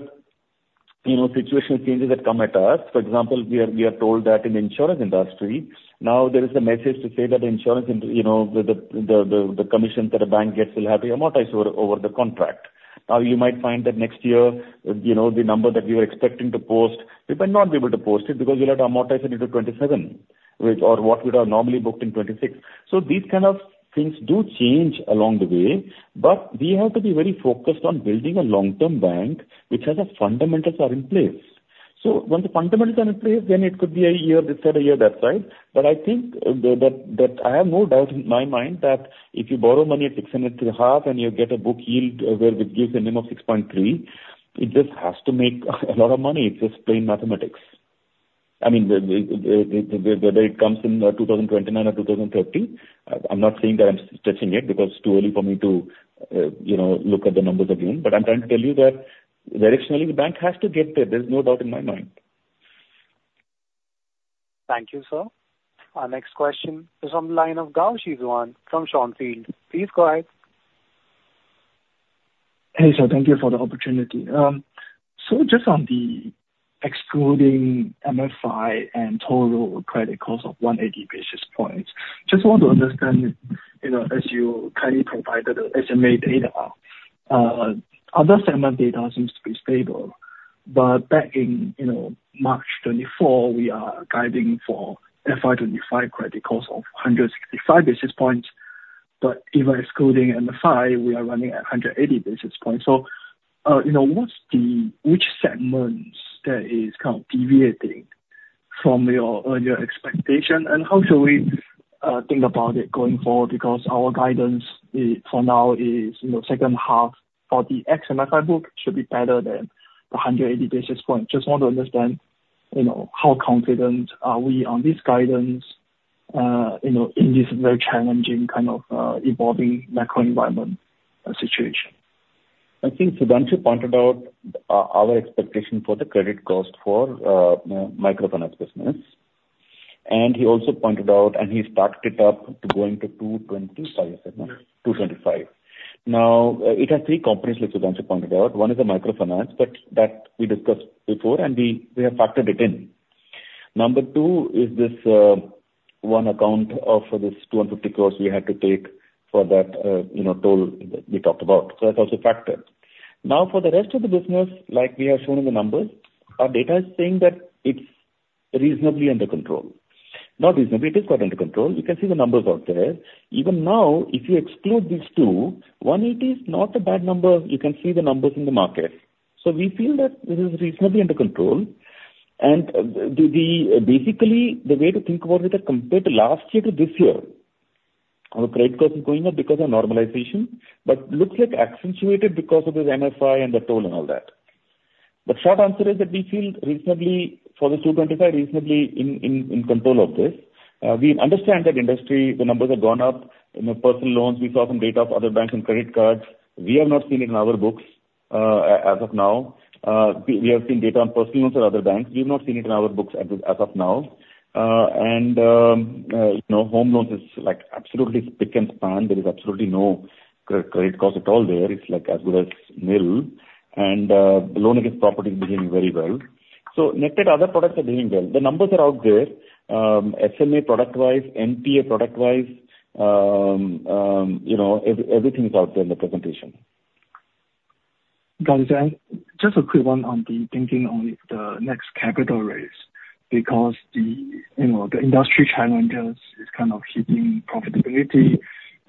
you know, situational changes that come at us, for example, we are told that in the insurance industry, now there is a message to say that insurance, you know, the commissions that a bank gets will have to amortize over the contract. Now, you might find that next year, you know, the number that we were expecting to post, we might not be able to post it because we'll have to amortize it into 2027, which... or what we'd have normally booked in 2026. So these kind of things do change along the way, but we have to be very focused on building a long-term bank, which has a fundamentals are in place. So when the fundamentals are in place, then it could be a year this side, a year that side. But I think that, I have no doubt in my mind that if you borrow money at six and a half, and you get a book yield where it gives a minimum of six point three, it just has to make a lot of money. It's just plain mathematics. I mean, whether it comes in 2029 or 2030, I'm not saying that I'm stretching it because it's too early for me to, you know, look at the numbers again. But I'm trying to tell you that directionally, the bank has to get there. There's no doubt in my mind. Thank you, sir. Our next question is on the line of Gao Shiwan from Schonfeld. Please go ahead.... Hey, sir, thank you for the opportunity. So just on the excluding MFI and total credit cost of 180 basis points, just want to understand, you know, as you kindly provided the SMA data, other segment data seems to be stable, but back in, you know, March 2024, we are guiding for FY 2025 credit cost of 165 basis points. But even excluding MFI, we are running at 180 basis points. So, you know, what's the- which segments that is kind of deviating from your earlier expectation, and how should we think about it going forward? Because our guidance is, for now, you know, second half for the ex-MFI book should be better than the 180 basis points. Just want to understand, you know, how confident are we on this guidance, you know, in this very challenging kind of, evolving macro environment, situation? I think Sudhanshu pointed out, our expectation for the credit cost for, you know, microfinance business. And he also pointed out, and he stacked it up to going to 225, isn't it? 225. Now, it has three components, like Sudhanshu pointed out. One is the microfinance, but that we discussed before, and we have factored it in. Number two is this, one account of this 250 crores we had to take for that, you know, toll that we talked about. So that's also factored. Now, for the rest of the business, like we have shown in the numbers, our data is saying that it's reasonably under control. Not reasonably, it is quite under control. You can see the numbers out there. Even now, if you exclude these two, 180 is not a bad number. You can see the numbers in the market. So we feel that it is reasonably under control. And, basically, the way to think about it, that compared to last year to this year, our credit cost is going up because of normalization, but looks like accentuated because of this MFI and the toll and all that. The short answer is that we feel reasonably, for this two twenty-five, reasonably in control of this. We understand that in the industry, the numbers have gone up. In the personal loans, we saw some data of other banks and credit cards. We have not seen it in our books as of now. We have seen data on personal loans for other banks. We've not seen it in our books as of now. You know, home loans is, like, absolutely spick and span. There is absolutely no credit cost at all there. It's, like, as good as nil. Loan against property is doing very well. So netted other products are doing well. The numbers are out there. SMA product-wise, NPA product-wise, you know, everything is out there in the presentation. Got it. Just a quick one on the thinking on the next capital raise, because the, you know, the industry challenges is kind of hitting profitability,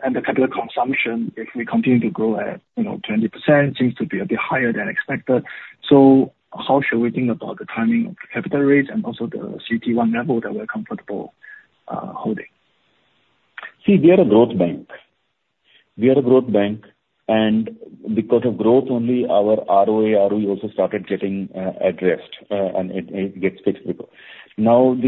and the capital consumption, if we continue to grow at, you know, 20%, seems to be a bit higher than expected. So how should we think about the timing of the capital raise and also the CET1 level that we're comfortable holding? See, we are a growth bank. We are a growth bank, and because of growth, only our ROA, ROE also started getting addressed, and it gets fixed before. Now, but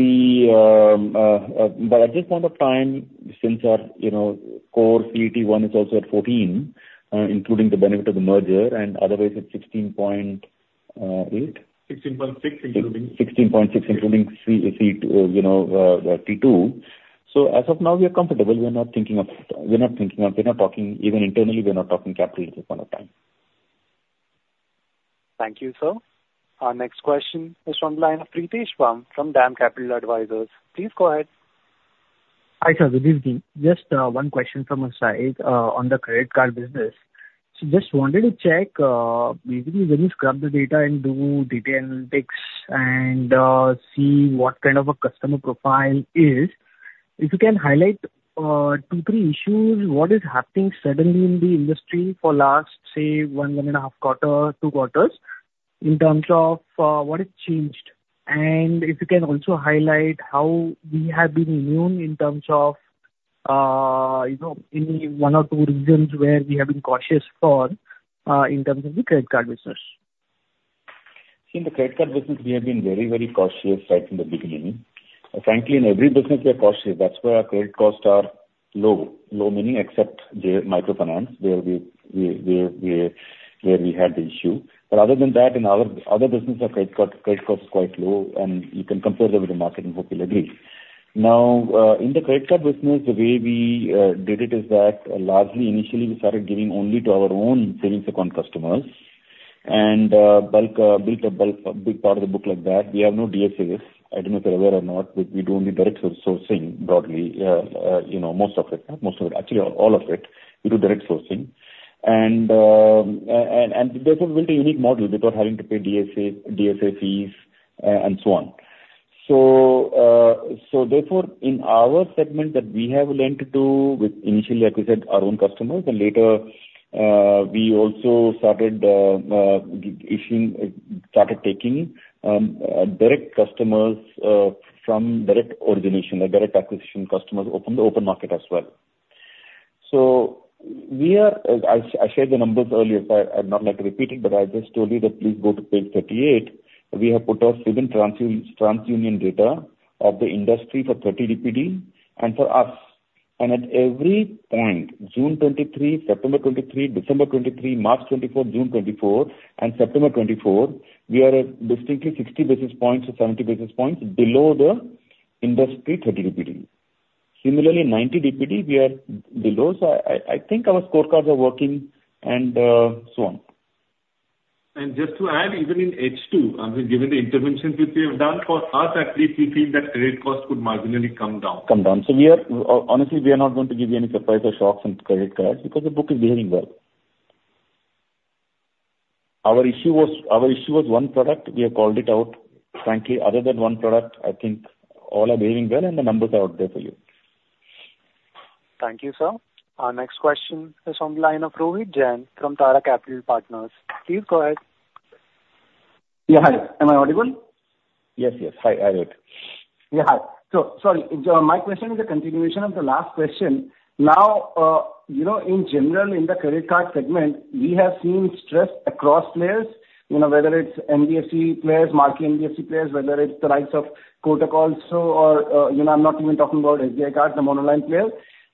at this point of time, since our, you know, core CET1 is also at 14, including the benefit of the merger, and otherwise it's 16.8? 16.6, including. 16.6, including CET1, you know, T2. So as of now, we are comfortable. We are not thinking of, we're not talking. Even internally, we're not talking capital at this point of time. Thank you, sir. Our next question is from the line of Pritesh Bumb from DAM Capital Advisors. Please go ahead. Hi, sir, good evening. Just, one question from my side, on the credit card business. So just wanted to check, basically, when you scrub the data and do detailed analytics and, see what kind of a customer profile is, if you can highlight, two, three issues, what is happening suddenly in the industry for last, say, one, one and a half quarter, two quarters, in terms of, what has changed? And if you can also highlight how we have been immune in terms of, you know, any one or two regions where we have been cautious for, in terms of the credit card business. In the credit card business, we have been very, very cautious right from the beginning. Frankly, in every business, we are cautious. That's where our credit costs are low. Low, meaning except the microfinance, where we had the issue. But other than that, in other businesses, our credit card credit cost is quite low, and you can compare them with the market, and hope you'll agree. Now, in the credit card business, the way we did it is that largely, initially, we started giving only to our own savings account customers, and built a big part of the book like that. We have no DSAs. I don't know if you're aware or not, but we do only direct source, sourcing broadly, you know, most of it, actually, all of it, we do direct sourcing. And therefore, built a unique model without having to pay DSA fees, and so on. So therefore, in our segment that we have lent to, with initially, like we said, our own customers, and later, we also started taking direct customers from direct origination or direct acquisition customers from the open market as well. So we are, I shared the numbers earlier, so I, I'd not like to repeat it, but I just told you that please go to page 38. We have put our CIBIL TransUnion data of the industry for thirty DPD and for us. At every point, June 2023, September 2023, December 2023, March 2024, June 2024, and September 2024, we are at distinctly sixty basis points or seventy basis points below the industry thirty DPD. Similarly, ninety DPD, we are below, so I think our scorecards are working and so on. And just to add, even in H2, I mean, given the interventions which we have done, for us at least, we feel that credit costs could marginally come down. Come down. So we are, honestly, we are not going to give you any surprise or shocks on credit cards because the book is behaving well. Our issue was, our issue was one product, we have called it out. Frankly, other than one product, I think all are behaving well, and the numbers are out there for you. Thank you, sir. Our next question is from the line of Rohit Jain, from Tara Capital Partners. Please go ahead. Yeah, hi. Am I audible? Yes, yes. Hi, I heard. Yeah, hi. So, sorry, my question is a continuation of the last question. Now, you know, in general, in the credit card segment, we have seen stress across layers, you know, whether it's NBFC players, monoline NBFC players, whether it's the likes of Kotak also, or, you know, I'm not even talking about SBI Cards, the monoline player.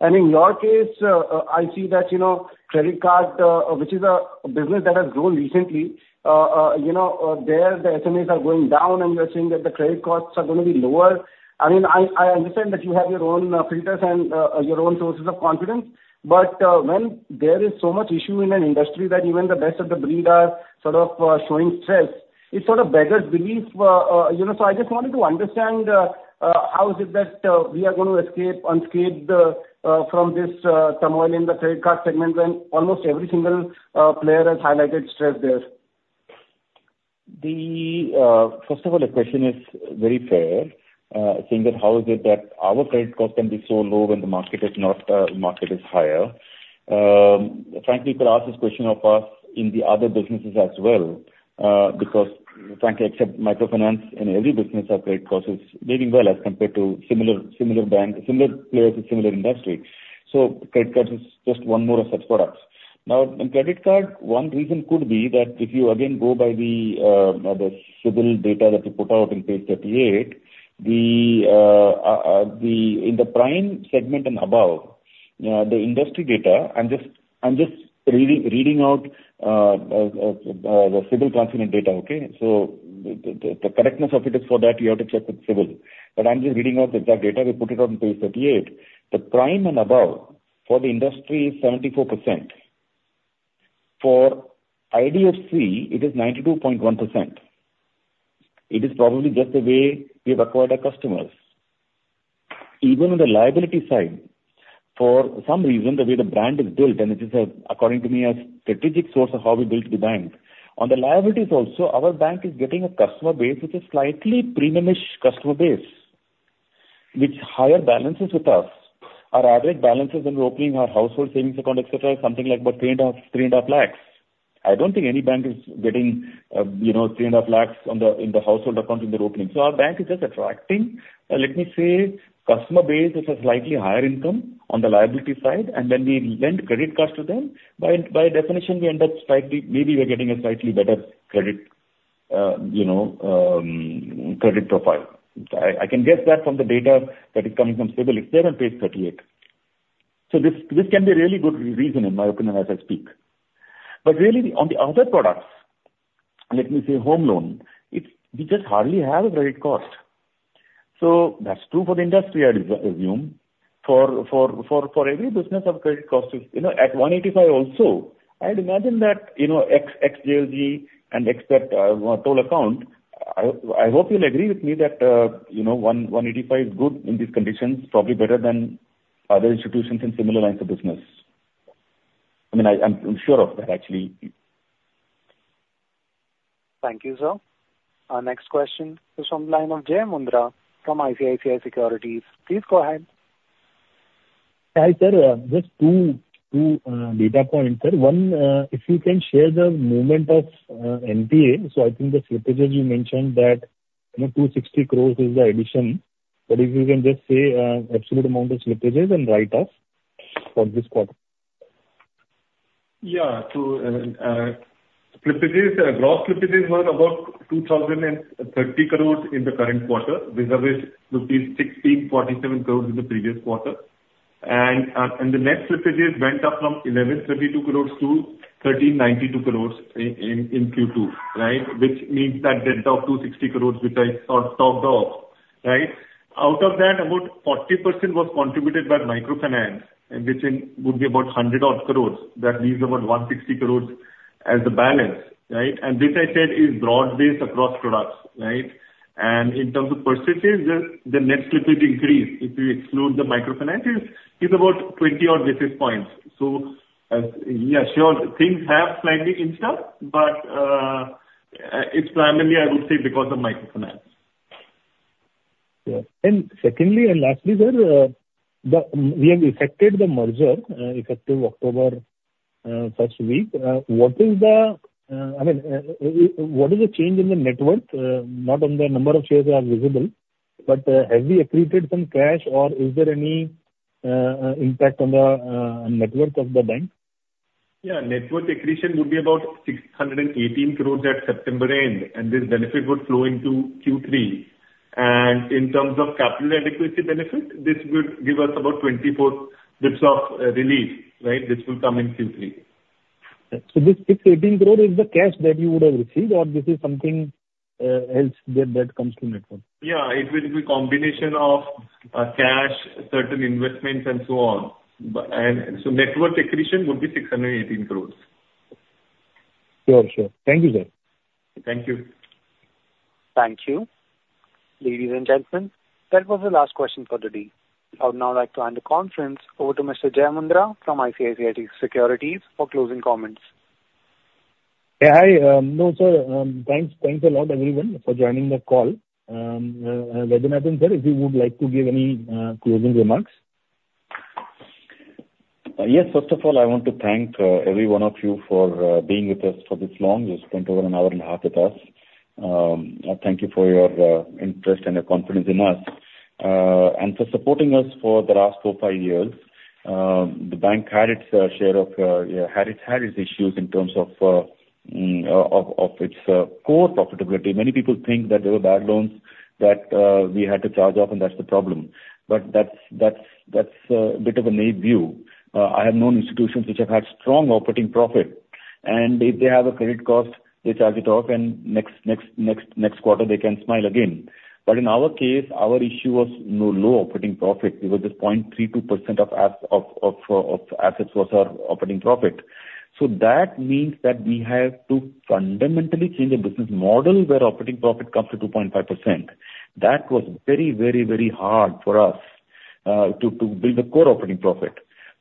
And in your case, I see that, you know, credit card, which is a business that has grown recently, you know, there the slippages are going down, and we are seeing that the credit costs are gonna be lower. I mean, I understand that you have your own filters and your own sources of confidence, but when there is so much issue in an industry that even the best of the breed are sort of showing stress, it sort of beggars belief. You know, so I just wanted to understand how is it that we are going to escape unscathed from this turmoil in the credit card segment, when almost every single player has highlighted stress there? First of all, the question is very fair. Saying that how is it that our credit cost can be so low when the market is not, market is higher? Frankly, people ask this question of us in the other businesses as well, because frankly, except microfinance, in every business, our credit cost is doing well as compared to similar bank, similar players with similar industry. So credit card is just one more of such products. Now, in credit card, one reason could be that if you again go by the CIBIL data that we put out in page 38, in the prime segment and above, the industry data, I'm just reading out the CIBIL class data, okay? So the correctness of it is for that you have to check with CIBIL. But I'm just reading out the exact data, we put it on page 38. The prime and above for the industry is 74%. For IDFC, it is 92.1%. It is probably just the way we've acquired our customers. Even on the liability side, for some reason, the way the brand is built, and it is a, according to me, a strategic source of how we built the bank. On the liabilities also, our bank is getting a customer base which is slightly premium-ish customer base, with higher balances with us. Our average balances when opening our household savings account, et cetera, is something like about 350,000. I don't think any bank is getting, you know, 3.5 lakhs in the household accounts in their opening. So our bank is just attracting, let me say, customer base with a slightly higher income on the liability side, and then we lend credit cards to them. By definition, we end up slightly, maybe we are getting a slightly better credit, you know, credit profile. I can guess that from the data that is coming from CIBIL. It's there on page 38. So this can be a really good reason, in my opinion, as I speak. But really, on the other products, let me say home loan, it's we just hardly have a credit cost. So that's true for the industry, I assume. For every business of credit costs, you know, at one eighty-five also, I'd imagine that, you know, ex JLG and ex that toll account, I hope you'll agree with me that, you know, one eighty-five is good in these conditions, probably better than other institutions in similar lines of business. I mean, I'm sure of that, actually. Thank you, sir. Our next question is from the line of Jay Mundra from ICICI Securities. Please go ahead. Hi, sir. Just two data points, sir. One, if you can share the movement of NPA, so I think the slippages you mentioned that, you know, two sixty crores is the addition. But if you can just say absolute amount of slippages and write-offs for this quarter? Yeah. So, slippages, gross slippages were about 2,030 crores in the current quarter, versus 1,647 crores in the previous quarter. And the net slippages went up from 1,132 crores to 1,392 crores in Q2, right? Which means that delta of 260 crores, which I sort of topped off, right? Out of that, about 40% was contributed by microfinance, and which would be about 100-odd crores. That leaves about 160 crores as the balance, right? And this, I said, is broad-based across products, right? And in terms of percentages, the net slippage increase, if you exclude the microfinance, is about 20-odd basis points. So, yeah, sure, things have slightly inched up, but it's primarily, I would say, because of microfinance. Yeah. And secondly, and lastly, sir, we have effected the merger effective October first week. What is the change in the net worth? I mean, not on the number of shares that are visible, but have we accreted some cash, or is there any impact on the net worth of the bank? Yeah, net worth accretion would be about 618 crores at September end, and this benefit would flow into Q3. In terms of capital adequacy benefit, this would give us about 24 basis points of relief, right? This will come in Q3.... So this 618 crore is the cash that you would have received, or this is something else that comes to net worth? Yeah, it will be combination of cash, certain investments, and so on. But and so net worth accretion would be 618 crores. Sure. Sure. Thank you, sir. Thank you. Thank you. Ladies and gentlemen, that was the last question for the day. I would now like to hand the conference over to Mr. Jay Mundra from ICICI Securities for closing comments. Yeah, hi. No, sir, thanks, thanks a lot, everyone, for joining the call. Vaidyanathan sir, if you would like to give any closing remarks? Yes. First of all, I want to thank every one of you for being with us for this long. You spent over an hour and a half with us. I thank you for your interest and your confidence in us, and for supporting us for the last four, five years. The bank had its share of, yeah, issues in terms of of its core profitability. Many people think that there were bad loans that we had to charge off, and that's the problem. But that's a bit of a naive view. I have known institutions which have had strong operating profit, and they have a credit cost, they charge it off, and next quarter, they can smile again. But in our case, our issue was no low operating profit. It was just 0.32% of assets was our operating profit. So that means that we have to fundamentally change the business model, where operating profit comes to 2.5%. That was very, very, very hard for us to build a core operating profit.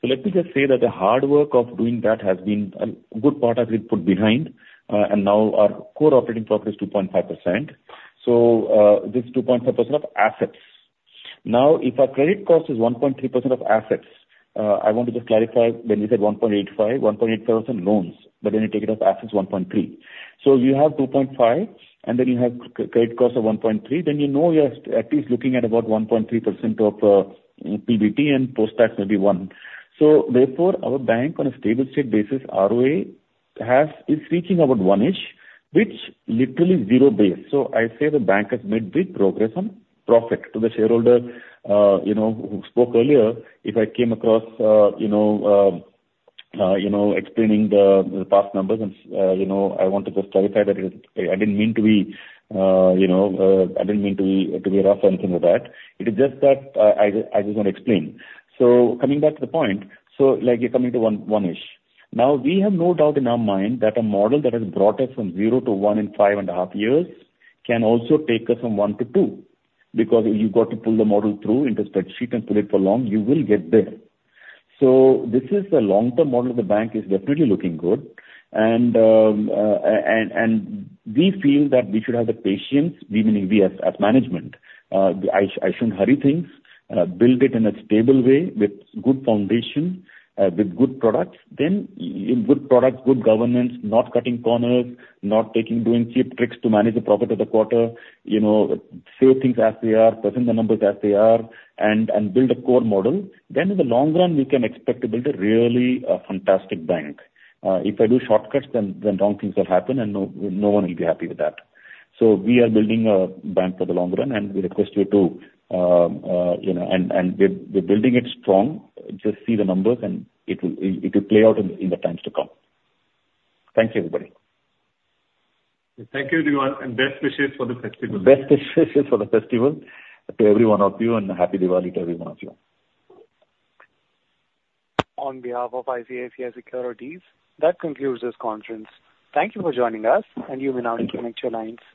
So let me just say that the hard work of doing that has been a good part has been put behind, and now our core operating profit is 2.5%, so this 2.5% of assets. Now, if our credit cost is 1.3% of assets, I want to just clarify, when you said 1.85, 1.85% loans, but then you take it off assets, 1.3. You have 2.5, and then you have credit cost of 1.3, then you know you're at least looking at about 1.3% of PBT and post-tax, maybe one. Therefore, our bank on a stable state basis, ROA is reaching about one-ish, which literally zero base. I say the bank has made big progress on profit. To the shareholder, you know, who spoke earlier, if I came across, you know, explaining the past numbers, and you know, I want to just clarify that it, I didn't mean to be, you know, rough or anything like that. It is just that, I just want to explain. So coming back to the point, so like you're coming to one, one-ish. Now, we have no doubt in our mind that a model that has brought us from zero to one in five and a half years can also take us from one to two, because you've got to pull the model through in the spreadsheet and pull it for long, you will get there. So this is a long-term model of the bank is definitely looking good. And we feel that we should have the patience, we meaning we as management. I shouldn't hurry things. Build it in a stable way with good foundation, with good products, then in good products, good governance, not cutting corners, not taking, doing cheap tricks to manage the profit of the quarter, you know, say things as they are, present the numbers as they are, and build a core model. Then in the long run, we can expect to build a really fantastic bank. If I do shortcuts, then wrong things will happen, and no one will be happy with that. So we are building a bank for the long run, and we request you to... You know, and we're building it strong. Just see the numbers, and it will play out in the times to come. Thank you, everybody. Thank you, everyone, and best wishes for the festival. Best wishes for the festival to every one of you, and Happy Diwali to every one of you. On behalf of ICICI Securities, that concludes this conference. Thank you for joining us, and you may now disconnect your lines.